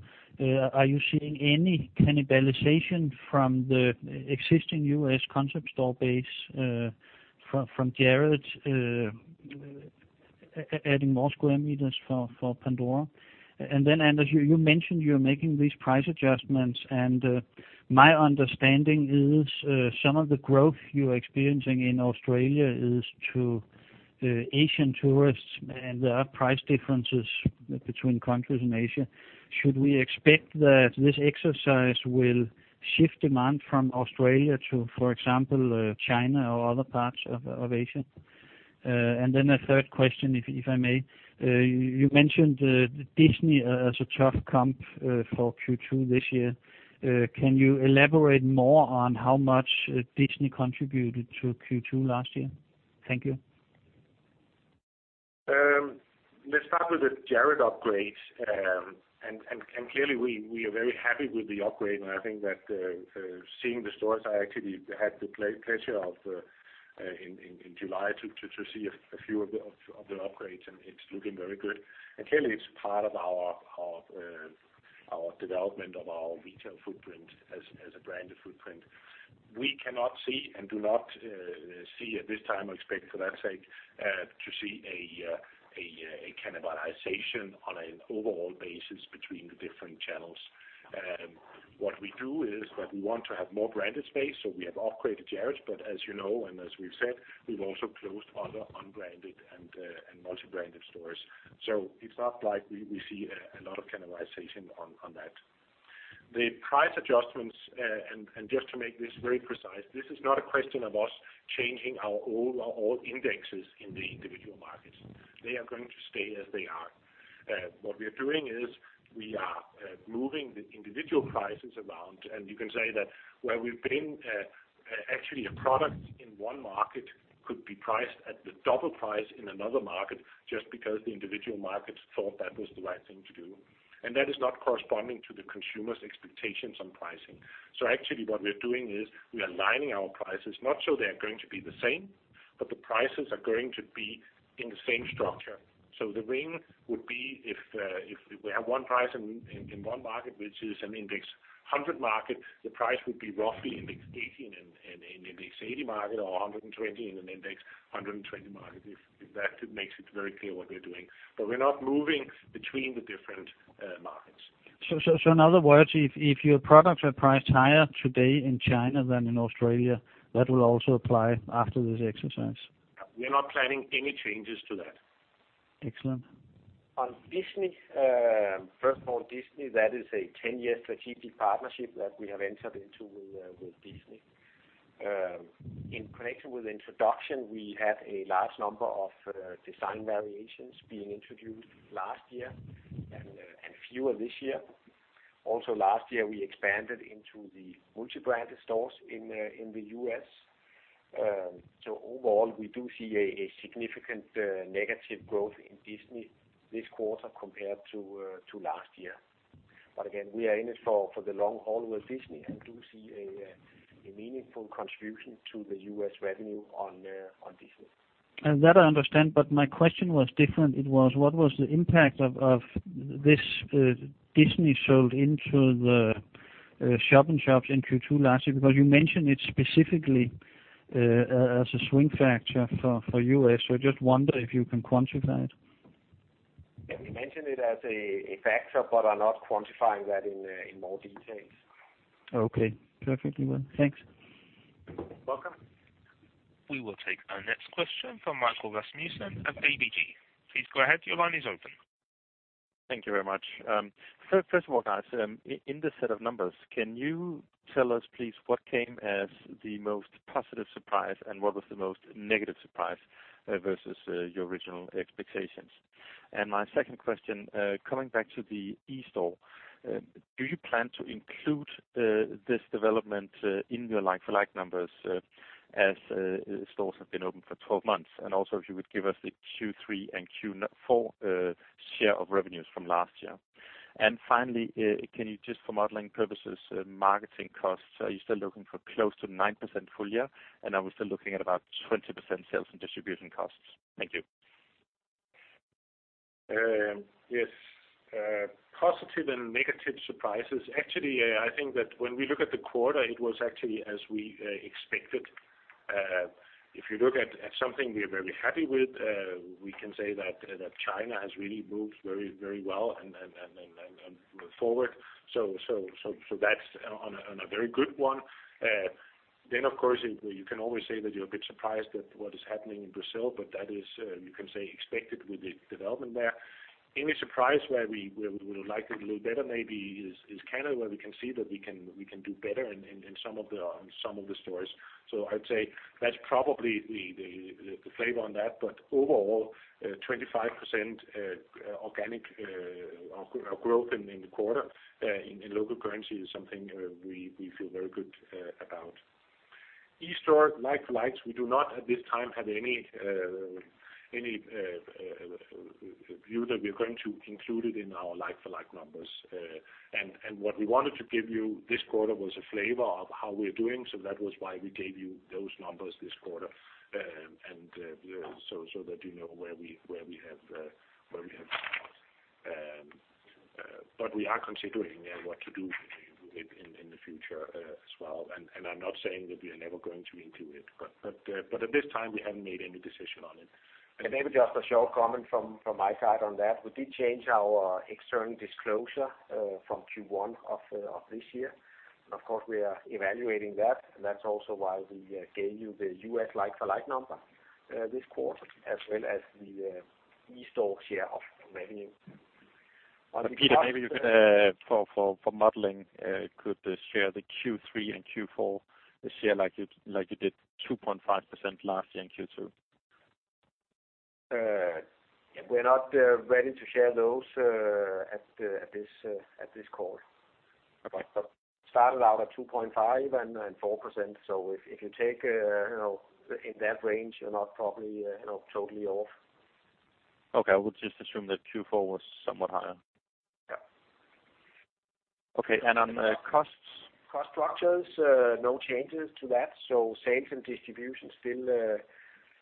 are you seeing any cannibalization from the existing US concept store base, from Jared, adding more square meters for Pandora? And then, Anders, you mentioned you're making these price adjustments, and my understanding is, some of the growth you are experiencing in Australia is to Asian tourists, and there are price differences between countries in Asia. Should we expect that this exercise will shift demand from Australia to, for example, China or other parts of Asia? And then a third question, if I may. You mentioned Disney as a tough comp for Q2 this year. Can you elaborate more on how much Disney contributed to Q2 last year? Thank you. Let's start with the Jared upgrades. And clearly, we are very happy with the upgrade, and I think that seeing the stores, I actually had the pleasure of in July to see a few of the upgrades, and it's looking very good. And clearly it's part of our development of our retail footprint as a branded footprint. We cannot see and do not see at this time, expect for that sake, to see a cannibalization on an overall basis between the different channels. What we do is that we want to have more branded space, so we have upgraded Jared, but as you know, and as we've said, we've also closed other unbranded and multi-branded stores. So it's not like we see a lot of cannibalization on that. The price adjustments, and just to make this very precise, this is not a question of us changing our old indexes in the individual markets. They are going to stay as they are. What we are doing is moving the individual prices around, and you can say that where we've been, actually a product in one market could be priced at the double price in another market, just because the individual markets thought that was the right thing to do, and that is not corresponding to the consumer's expectations on pricing. So actually, what we are doing is aligning our prices, not so they are going to be the same, but the prices are going to be in the same structure. So the ring would be if we have one price in one market, which is an index 100 market, the price would be roughly index 80 in an index 80 market or 120 in an index 120 market, if that makes it very clear what we're doing. But we're not moving between the different-... So, in other words, if your products are priced higher today in China than in Australia, that will also apply after this exercise? We are not planning any changes to that. Excellent. On Disney, first of all, Disney, that is a ten-year strategic partnership that we have entered into with Disney. In connection with introduction, we had a large number of design variations being introduced last year and fewer this year. Also, last year, we expanded into the multi-branded stores in the U.S. So overall, we do see a significant negative growth in Disney this quarter compared to last year. But again, we are in it for the long haul with Disney and do see a meaningful contribution to the U.S. revenue on Disney. And that I understand, but my question was different. It was, what was the impact of this Disney sold into the shop-in-shops in Q2 last year? Because you mentioned it specifically as a swing factor for U.S. So I just wonder if you can quantify it. Yeah, we mentioned it as a factor, but are not quantifying that in more details. Okay, perfectly well. Thanks. Welcome! We will take our next question from Michael Rasmussen at ABG. Please go ahead. Your line is open. Thank you very much. First of all, guys, in this set of numbers, can you tell us, please, what came as the most positive surprise, and what was the most negative surprise versus your original expectations? And my second question, coming back to the eSTORE, do you plan to include this development in your like-for-like numbers as stores have been open for 12 months? And also, if you would give us the Q3 and Q4 share of revenues from last year? And finally, can you just for modeling purposes, marketing costs, are you still looking for close to 9% full year? And are we still looking at about 20% sales and distribution costs? Thank you. Yes, positive and negative surprises. Actually, I think that when we look at the quarter, it was actually as we expected. If you look at something we are very happy with, we can say that China has really moved very, very well and forward. So that's on a very good one. Then, of course, you can always say that you're a bit surprised at what is happening in Brazil, but that is, you can say, expected with the development there. Any surprise where we would like it a little better, maybe is Canada, where we can see that we can do better in some of the stores. So I'd say that's probably the flavor on that, but overall, 25% organic growth in the quarter in local currency is something we feel very good about. eSTORE like-for-likes, we do not at this time have any view that we are going to include it in our like-for-like numbers. And what we wanted to give you this quarter was a flavor of how we're doing, so that was why we gave you those numbers this quarter. And so that you know where we have. But we are considering, yeah, what to do with it in the future as well. I'm not saying that we are never going to include it, but at this time, we haven't made any decision on it. Maybe just a short comment from my side on that. We did change our external disclosure from Q1 of this year. And of course, we are evaluating that, and that's also why we gave you the U.S. like-for-like number this quarter, as well as the eSTORE share of revenue. Peter, maybe for modeling could share the Q3 and Q4 this year, like you did 2.5 last year in Q2. We're not ready to share those at this call. Okay. But started out at 2.5% and 4%. So if you take, you know, in that range, you're not probably, you know, totally off. Okay, I would just assume that Q4 was somewhat higher. Yeah. Okay, and on the costs? Cost structures, no changes to that. So sales and distribution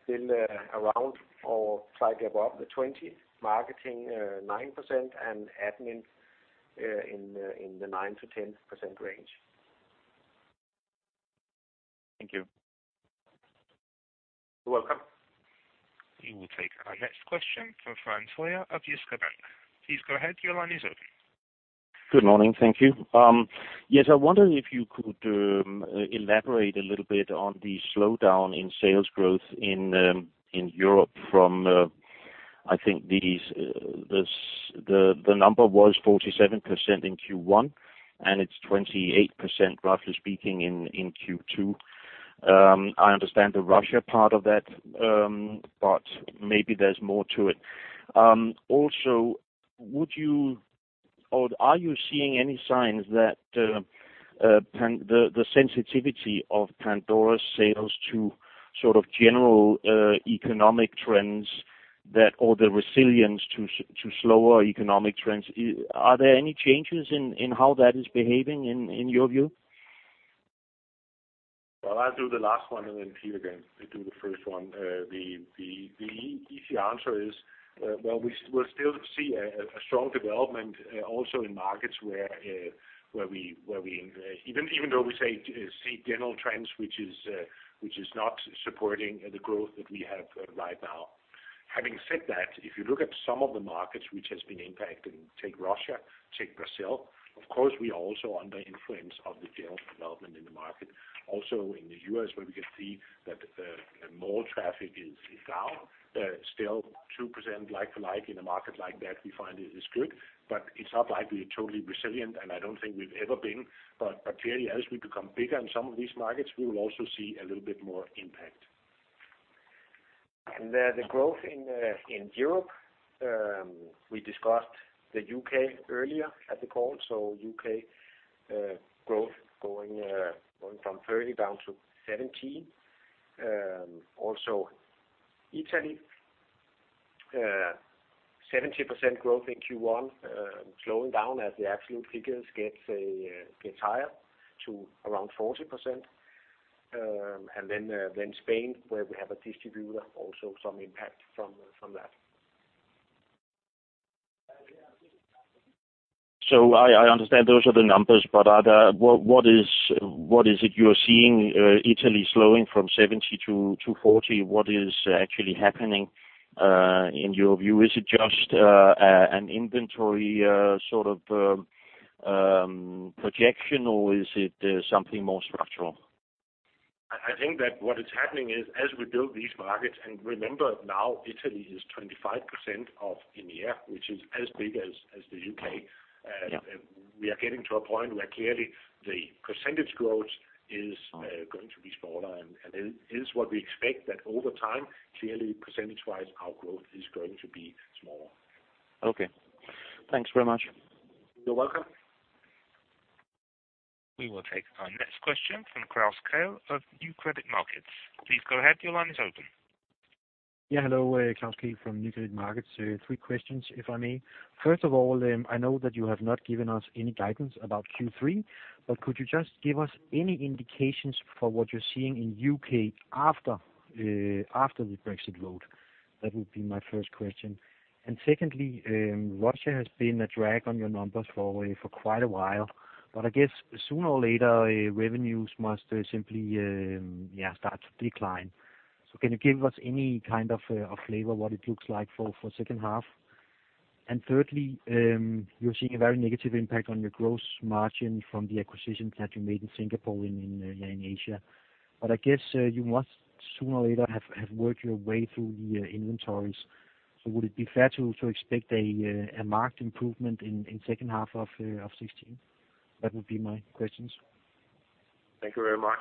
still around or slightly above the 20, marketing 9% and admin in the 9%-10% range. Thank you. You're welcome. We will take our next question from Frans Høyer of Jyske Bank. Please go ahead. Your line is open. Good morning. Thank you. Yes, I wonder if you could elaborate a little bit on the slowdown in sales growth in Europe from, I think the number was 47% in Q1, and it's 28%, roughly speaking, in Q2. I understand the Russia part of that, but maybe there's more to it. Also, would you or are you seeing any signs that the sensitivity of Pandora's sales to sort of general economic trends that or the resilience to slower economic trends, are there any changes in how that is behaving in your view? Well, I'll do the last one, and then Peter can do the first one. The easy answer is, well, we're still seeing a strong development, also in markets where, even though we see general trends, which is not supporting the growth that we have right now. Having said that, if you look at some of the markets which has been impacted, take Russia, take Brazil. Of course, we are also under influence of the general development in the market, also in the US, where we can see that mall traffic is down, still 2% like-for-like. In a market like that, we find it is good, but it's not like we are totally resilient, and I don't think we've ever been. But clearly, as we become bigger in some of these markets, we will also see a little bit more impact. The growth in Europe, we discussed the UK earlier at the call, so UK growth going from 30 down to 17. Also Italy, 70% growth in Q1, slowing down as the absolute figures gets higher to around 40%. Then Spain, where we have a distributor, also some impact from that. So I understand those are the numbers, but what is it you are seeing Italy slowing from 70 to 40? What is actually happening in your view? Is it just an inventory sort of projection, or is it something more structural? I think that what is happening is as we build these markets, and remember now Italy is 25% of EMEA, which is as big as the U.K. Yeah. We are getting to a point where clearly the percentage growth is going to be smaller, and it is what we expect, that over time, clearly, percentage wise, our growth is going to be smaller. Okay. Thanks very much. You're welcome. We will take our next question from Klaus Kehl of Nykredit Markets. Please go ahead. Your line is open. Hello, Klaus Kehl from Nykredit Markets. Three questions, if I may. First of all, I know that you have not given us any guidance about Q3, but could you just give us any indications for what you're seeing in UK after the Brexit vote? That would be my first question. And secondly, Russia has been a drag on your numbers for quite a while, but I guess sooner or later revenues must simply start to decline. So can you give us any kind of flavor what it looks like for second half? And thirdly, you're seeing a very negative impact on your Gross Margin from the acquisitions that you made in Singapore, in Asia. But I guess, you must sooner or later have worked your way through the inventories. So would it be fair to expect a marked improvement in second half of 2016? That would be my questions. Thank you very much.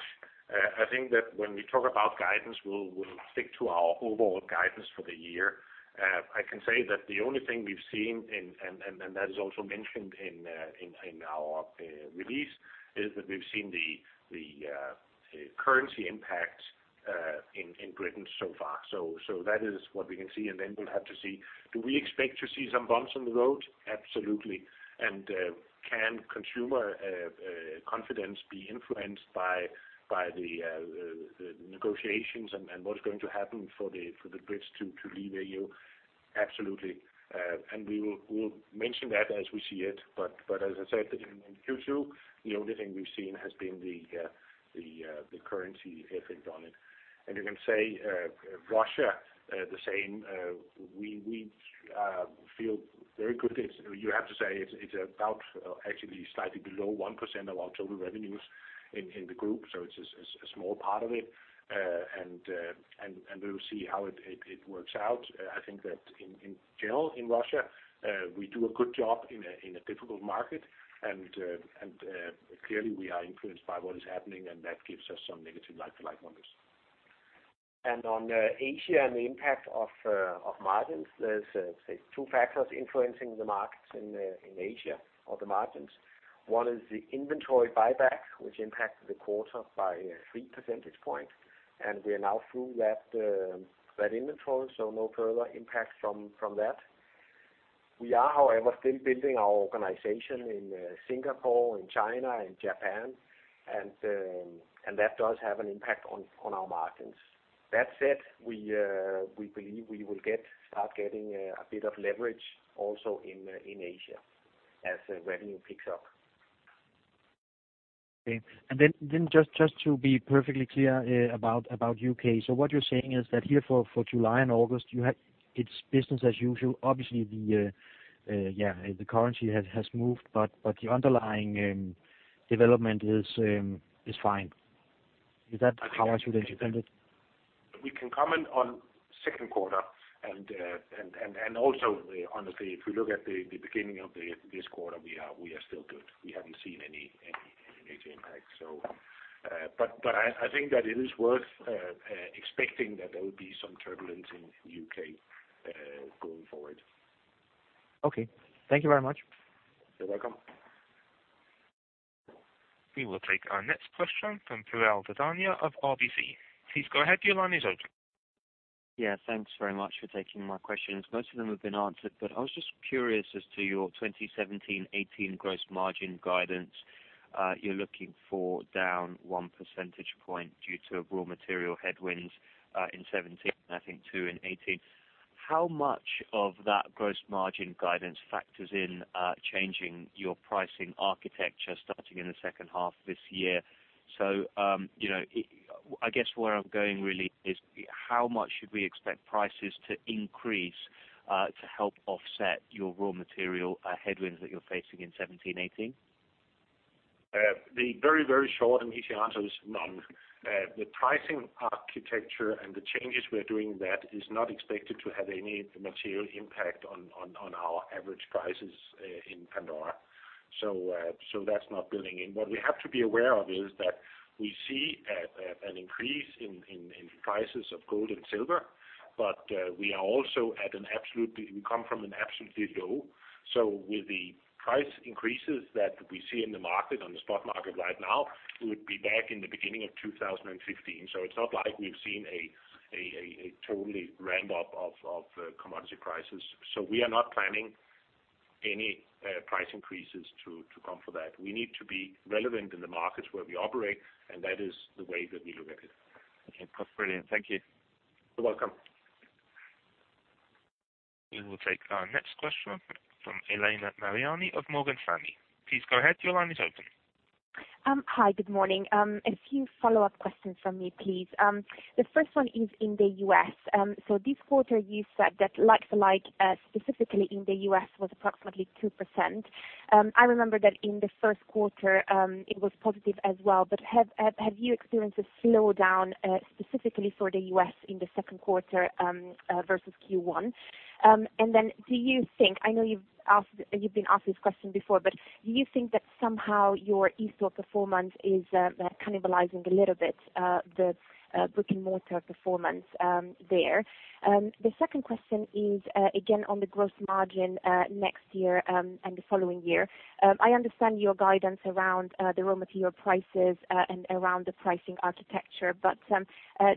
I think that when we talk about guidance, we'll stick to our overall guidance for the year. I can say that the only thing we've seen and that is also mentioned in our release is that we've seen the currency impact in Britain so far. So that is what we can see, and then we'll have to see. Do we expect to see some bumps in the road? Absolutely. And can consumer confidence be influenced by the negotiations and what's going to happen for the Brits to leave EU? Absolutely. And we will mention that as we see it. But as I said, in Q2, the only thing we've seen has been the currency effect on it. And you can say Russia, the same, we feel very good. You have to say it's actually slightly below 1% of our total revenues in the group, so it's a small part of it. And we'll see how it works out. I think that in general, in Russia, we do a good job in a difficult market, and clearly we are influenced by what is happening, and that gives us some negative like-for-like numbers. On Asia and the impact of, of margins, there's, say two factors influencing the markets in, in Asia or the margins. One is the inventory buyback, which impacted the quarter by three percentage points, and we are now through that, that inventory, so no further impact from, from that. We are, however, still building our organization in, Singapore, in China and Japan, and, and that does have an impact on, on our margins. That said, we, we believe we will get, start getting, a bit of leverage also in, in Asia as the revenue picks up. Okay. Then just to be perfectly clear about U.K. So what you're saying is that here for July and August, it's business as usual. Obviously, yeah, the currency has moved, but the underlying development is fine. Is that how I should understand it? We can comment on second quarter and also, honestly, if we look at the beginning of this quarter, we are still good. We haven't seen any major impact, so, but I think that it is worth expecting that there will be some turbulence in U.K. going forward. Okay. Thank you very much. You're welcome. We will take our next question from Piral Dadhania of RBC. Please go ahead. Your line is open. Yeah, thanks very much for taking my questions. Most of them have been answered, but I was just curious as to your 2017, 2018 gross margin guidance. You're looking for down 1 percentage point due to raw material headwinds in 2017, and I think 2 in 2018. How much of that gross margin guidance factors in changing your pricing architecture starting in the second half this year? So, you know, I guess where I'm going really is how much should we expect prices to increase to help offset your raw material headwinds that you're facing in 2017, 2018? ...The very, very short and easy answer is none. The pricing architecture and the changes we are doing that is not expected to have any material impact on our average prices in Pandora. So that's not building in. What we have to be aware of is that we see an increase in prices of gold and silver, but we are also at an absolute- we come from an absolutely low. So with the price increases that we see in the market, on the stock market right now, we would be back in the beginning of 2015. So it's not like we've seen a totally ramp up of commodity prices. So we are not planning any price increases to come for that. We need to be relevant in the markets where we operate, and that is the way that we look at it. Okay, brilliant. Thank you. You're welcome. We will take our next question from Elena Mariani of Morgan Stanley. Please go ahead. Your line is open. Hi, good morning. A few follow-up questions from me, please. The first one is in the U.S. So this quarter, you said that Like-for-like, specifically in the U.S., was approximately 2%. I remember that in the first quarter, it was positive as well, but have you experienced a slowdown, specifically for the U.S. in the second quarter, versus Q1? And then do you think, I know you've been asked this question before, but do you think that somehow your eSTORE performance is cannibalizing a little bit the brick-and-mortar performance there? The second question is, again, on the gross margin, next year, and the following year. I understand your guidance around the raw material prices and around the pricing architecture, but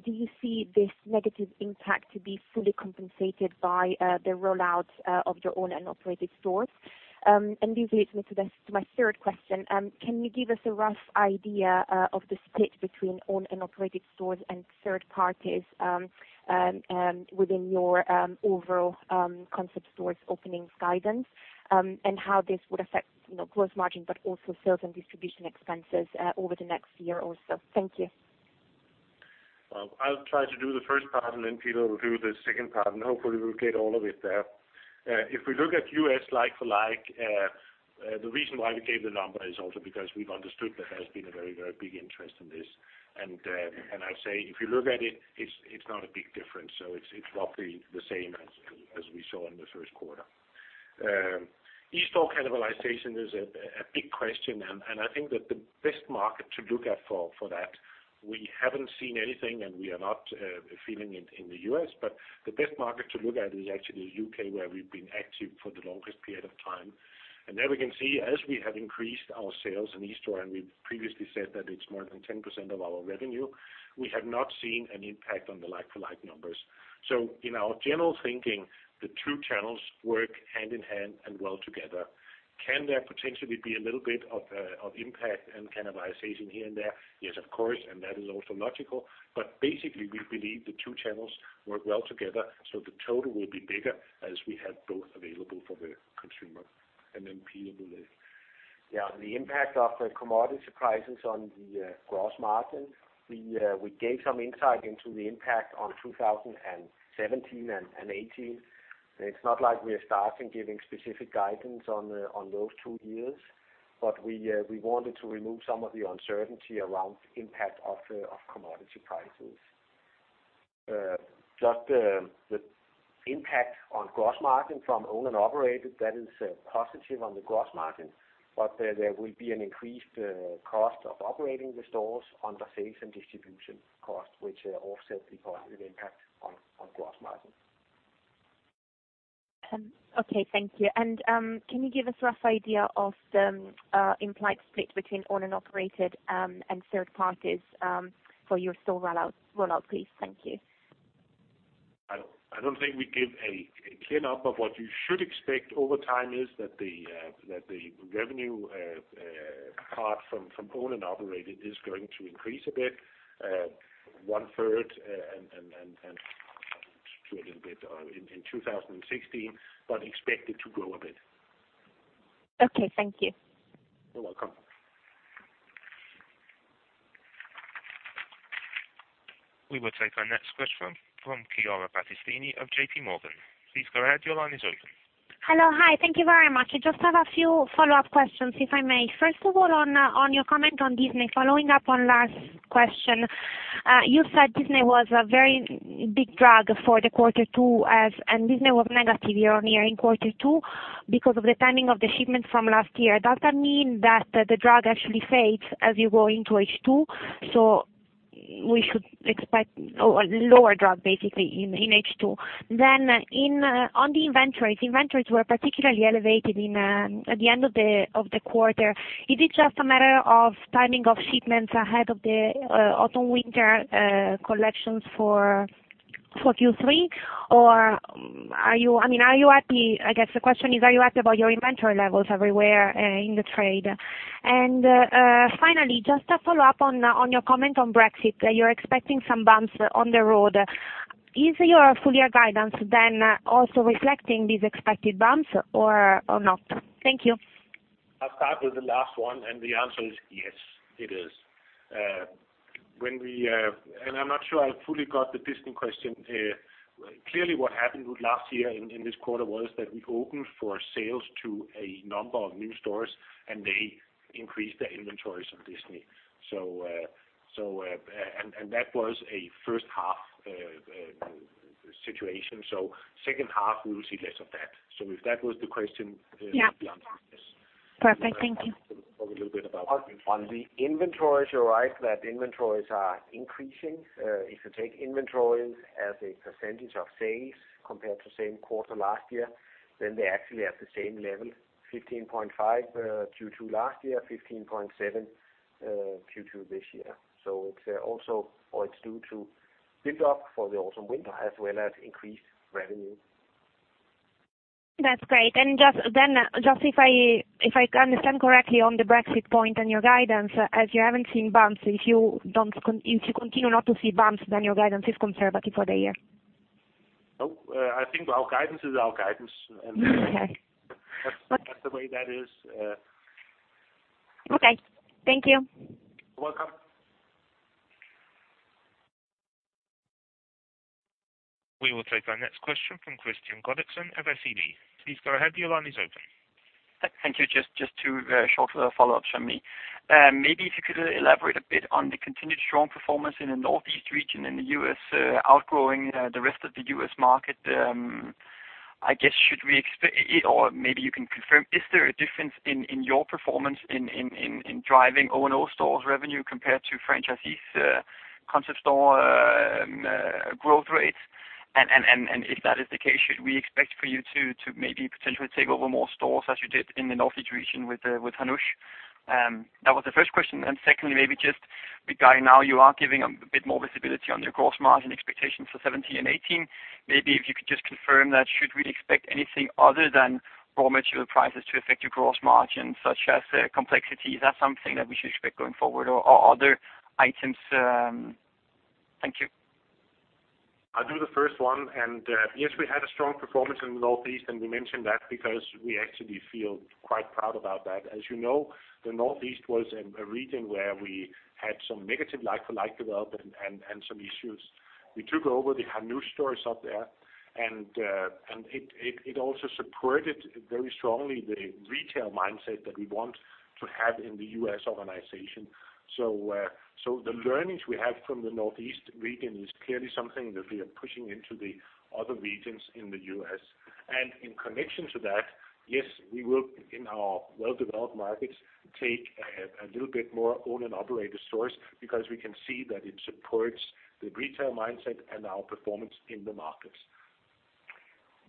do you see this negative impact to be fully compensated by the rollout of your owned and operated stores? This leads me to my third question. Can you give us a rough idea of the split between owned and operated stores and third parties and within your overall concept stores openings guidance and how this would affect, you know, gross margin, but also sales and distribution expenses over the next year or so? Thank you. Well, I'll try to do the first part, and then Peter will do the second part, and hopefully we'll get all of it there. If we look at US like-for-like, the reason why we gave the number is also because we've understood there has been a very, very big interest in this. And I'd say if you look at it, it's not a big difference, so it's roughly the same as we saw in the first quarter. eSTORE cannibalization is a big question, and I think that the best market to look at for that, we haven't seen anything, and we are not feeling it in the US, but the best market to look at is actually UK, where we've been active for the longest period of time. There we can see, as we have increased our sales in eSTORE, and we've previously said that it's more than 10% of our revenue, we have not seen an impact on the Like-for-like numbers. In our general thinking, the two channels work hand in hand and well together. Can there potentially be a little bit of, of impact and cannibalization here and there? Yes, of course, and that is also logical. Basically, we believe the two channels work well together, so the total will be bigger as we have both available for the consumer. And then Peter will... Yeah, the impact of the commodity prices on the gross margin, we gave some insight into the impact on 2017 and 2018. It's not like we are starting giving specific guidance on those two years, but we wanted to remove some of the uncertainty around the impact of commodity prices. Just the impact on gross margin from owned and operated, that is positive on the gross margin, but there will be an increased cost of operating the stores on the sales and distribution costs, which also be positive impact on gross margin. Okay, thank you. And, can you give a rough idea of the implied split between owned and operated, and third parties, for your store rollout, please? Thank you. I don't think we give a clear number, but what you should expect over time is that the revenue part from owned and operated is going to increase a bit, one third, and a little bit in 2016, but expect it to grow a bit. Okay, thank you. You're welcome. We will take our next question from Chiara Battistini of JP Morgan. Please go ahead. Your line is open. Hello. Hi, thank you very much. I just have a few follow-up questions, if I may. First of all, on your comment on Disney, following up on last question, you said Disney was a very big drag for the quarter two, as and Disney was negative year-on-year in quarter two because of the timing of the shipment from last year. Does that mean that the drag actually fades as you go into H2, so we should expect, or lower drag, basically, in H2? Then on the inventories, inventories were particularly elevated at the end of the quarter. Is it just a matter of timing of shipments ahead of the autumn/winter collections for Q3? Or are you, I mean, are you happy... I guess the question is, are you happy about your inventory levels everywhere, in the trade? And finally, just a follow-up on your comment on Brexit, that you're expecting some bumps on the road. Is your full year guidance then, also reflecting these expected bumps or not? Thank you. I'll start with the last one, and the answer is yes, it is. And I'm not sure I fully got the Disney question here. Clearly, what happened with last year in this quarter was that we opened for sales to a number of new stores, and they increased their inventories on Disney. So, that was a first half situation. So second half, we will see less of that. So if that was the question. Yeah. The answer is yes. Perfect. Thank you. Talk a little bit about- On the inventories, you're right, that inventories are increasing. If you take inventories as a percentage of sales compared to same quarter last year, then they're actually at the same level, 15.5%, Q2 last year, 15.7%, Q2 this year. So it's also, or it's due to build up for the autumn/winter, as well as increased revenue. That's great. Just if I understand correctly on the Brexit point and your guidance, as you haven't seen bumps, if you continue not to see bumps, then your guidance is conservative for the year? Nope. I think our guidance is our guidance, and- Okay. That's the way that is. Okay. Thank you. You're welcome. We will take our next question from Kristian Godiksen of SEB. Please go ahead. Your line is open. Thank you. Just two short follow-ups from me. Maybe if you could elaborate a bit on the continued strong performance in the Northeast region in the U.S., outgrowing the rest of the U.S. market. I guess, or maybe you can confirm, is there a difference in your performance in driving O&O stores revenue compared to franchisees concept store growth rates? And if that is the case, should we expect for you to maybe potentially take over more stores as you did in the Northeast region with Hannoush? That was the first question. And secondly, maybe just regarding now, you are giving a bit more visibility on your gross margin expectations for 2017 and 2018. Maybe if you could just confirm that, should we expect anything other than raw material prices to affect your gross margin, such as complexity? Is that something that we should expect going forward or other items? Thank you. I'll do the first one, and yes, we had a strong performance in the Northeast, and we mentioned that because we actually feel quite proud about that. As you know, the Northeast was a region where we had some negative like-for-like development and some issues. We took over the Hannoush stores up there, and it also supported very strongly the retail mindset that we want to have in the U.S. organization. So the learnings we have from the Northeast region is clearly something that we are pushing into the other regions in the U.S. And in connection to that, yes, we will, in our well-developed markets, take a little bit more owned and operated stores, because we can see that it supports the retail mindset and our performance in the markets.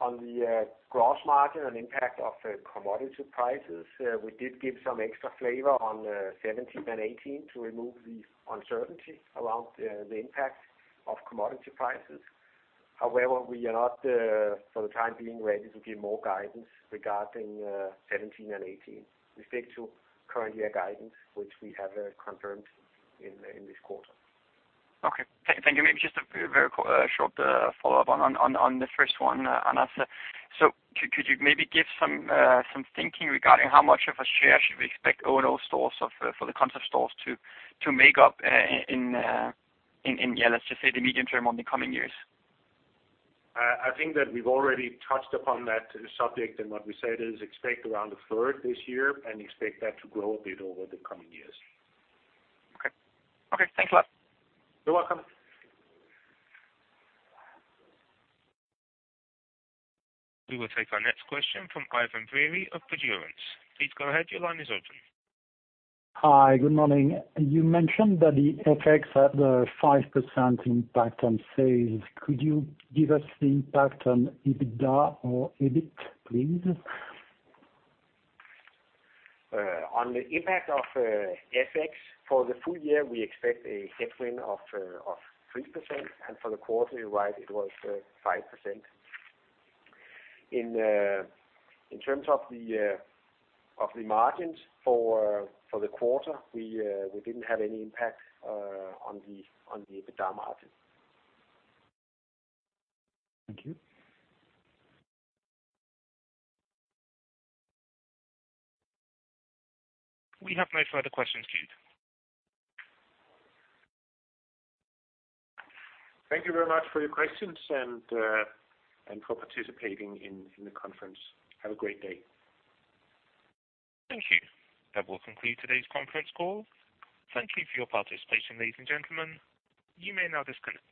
On the gross margin and impact of commodity prices, we did give some extra flavor on 2017 and 2018 to remove the uncertainty around the impact of commodity prices. However, we are not, for the time being, ready to give more guidance regarding 2017 and 2018. We stick to current year guidance, which we have confirmed in this quarter. Okay. Thank you. Maybe just a very quick short follow-up on the first one, Anders. So could you maybe give some thinking regarding how much of a share should we expect O&O stores of for the concept stores to make up in yeah, let's just say, the medium term on the coming years? I think that we've already touched upon that subject, and what we said is expect around a third this year and expect that to grow a bit over the coming years. Okay. Okay, thanks a lot. You're welcome. We will take our next question from Ian Kiry of Predilance. Please go ahead. Your line is open. Hi, good morning. You mentioned that the FX had a 5% impact on sales. Could you give us the impact on EBITDA or EBIT, please? On the impact of FX for the full year, we expect a headwind of 3%, and for the quarter, you're right, it was 5%. In terms of the margins for the quarter, we didn't have any impact on the EBITDA margin. Thank you. We have no further questions, queued. Thank you very much for your questions and for participating in the conference. Have a great day. Thank you. That will conclude today's conference call. Thank you for your participation, ladies and gentlemen. You may now disconnect.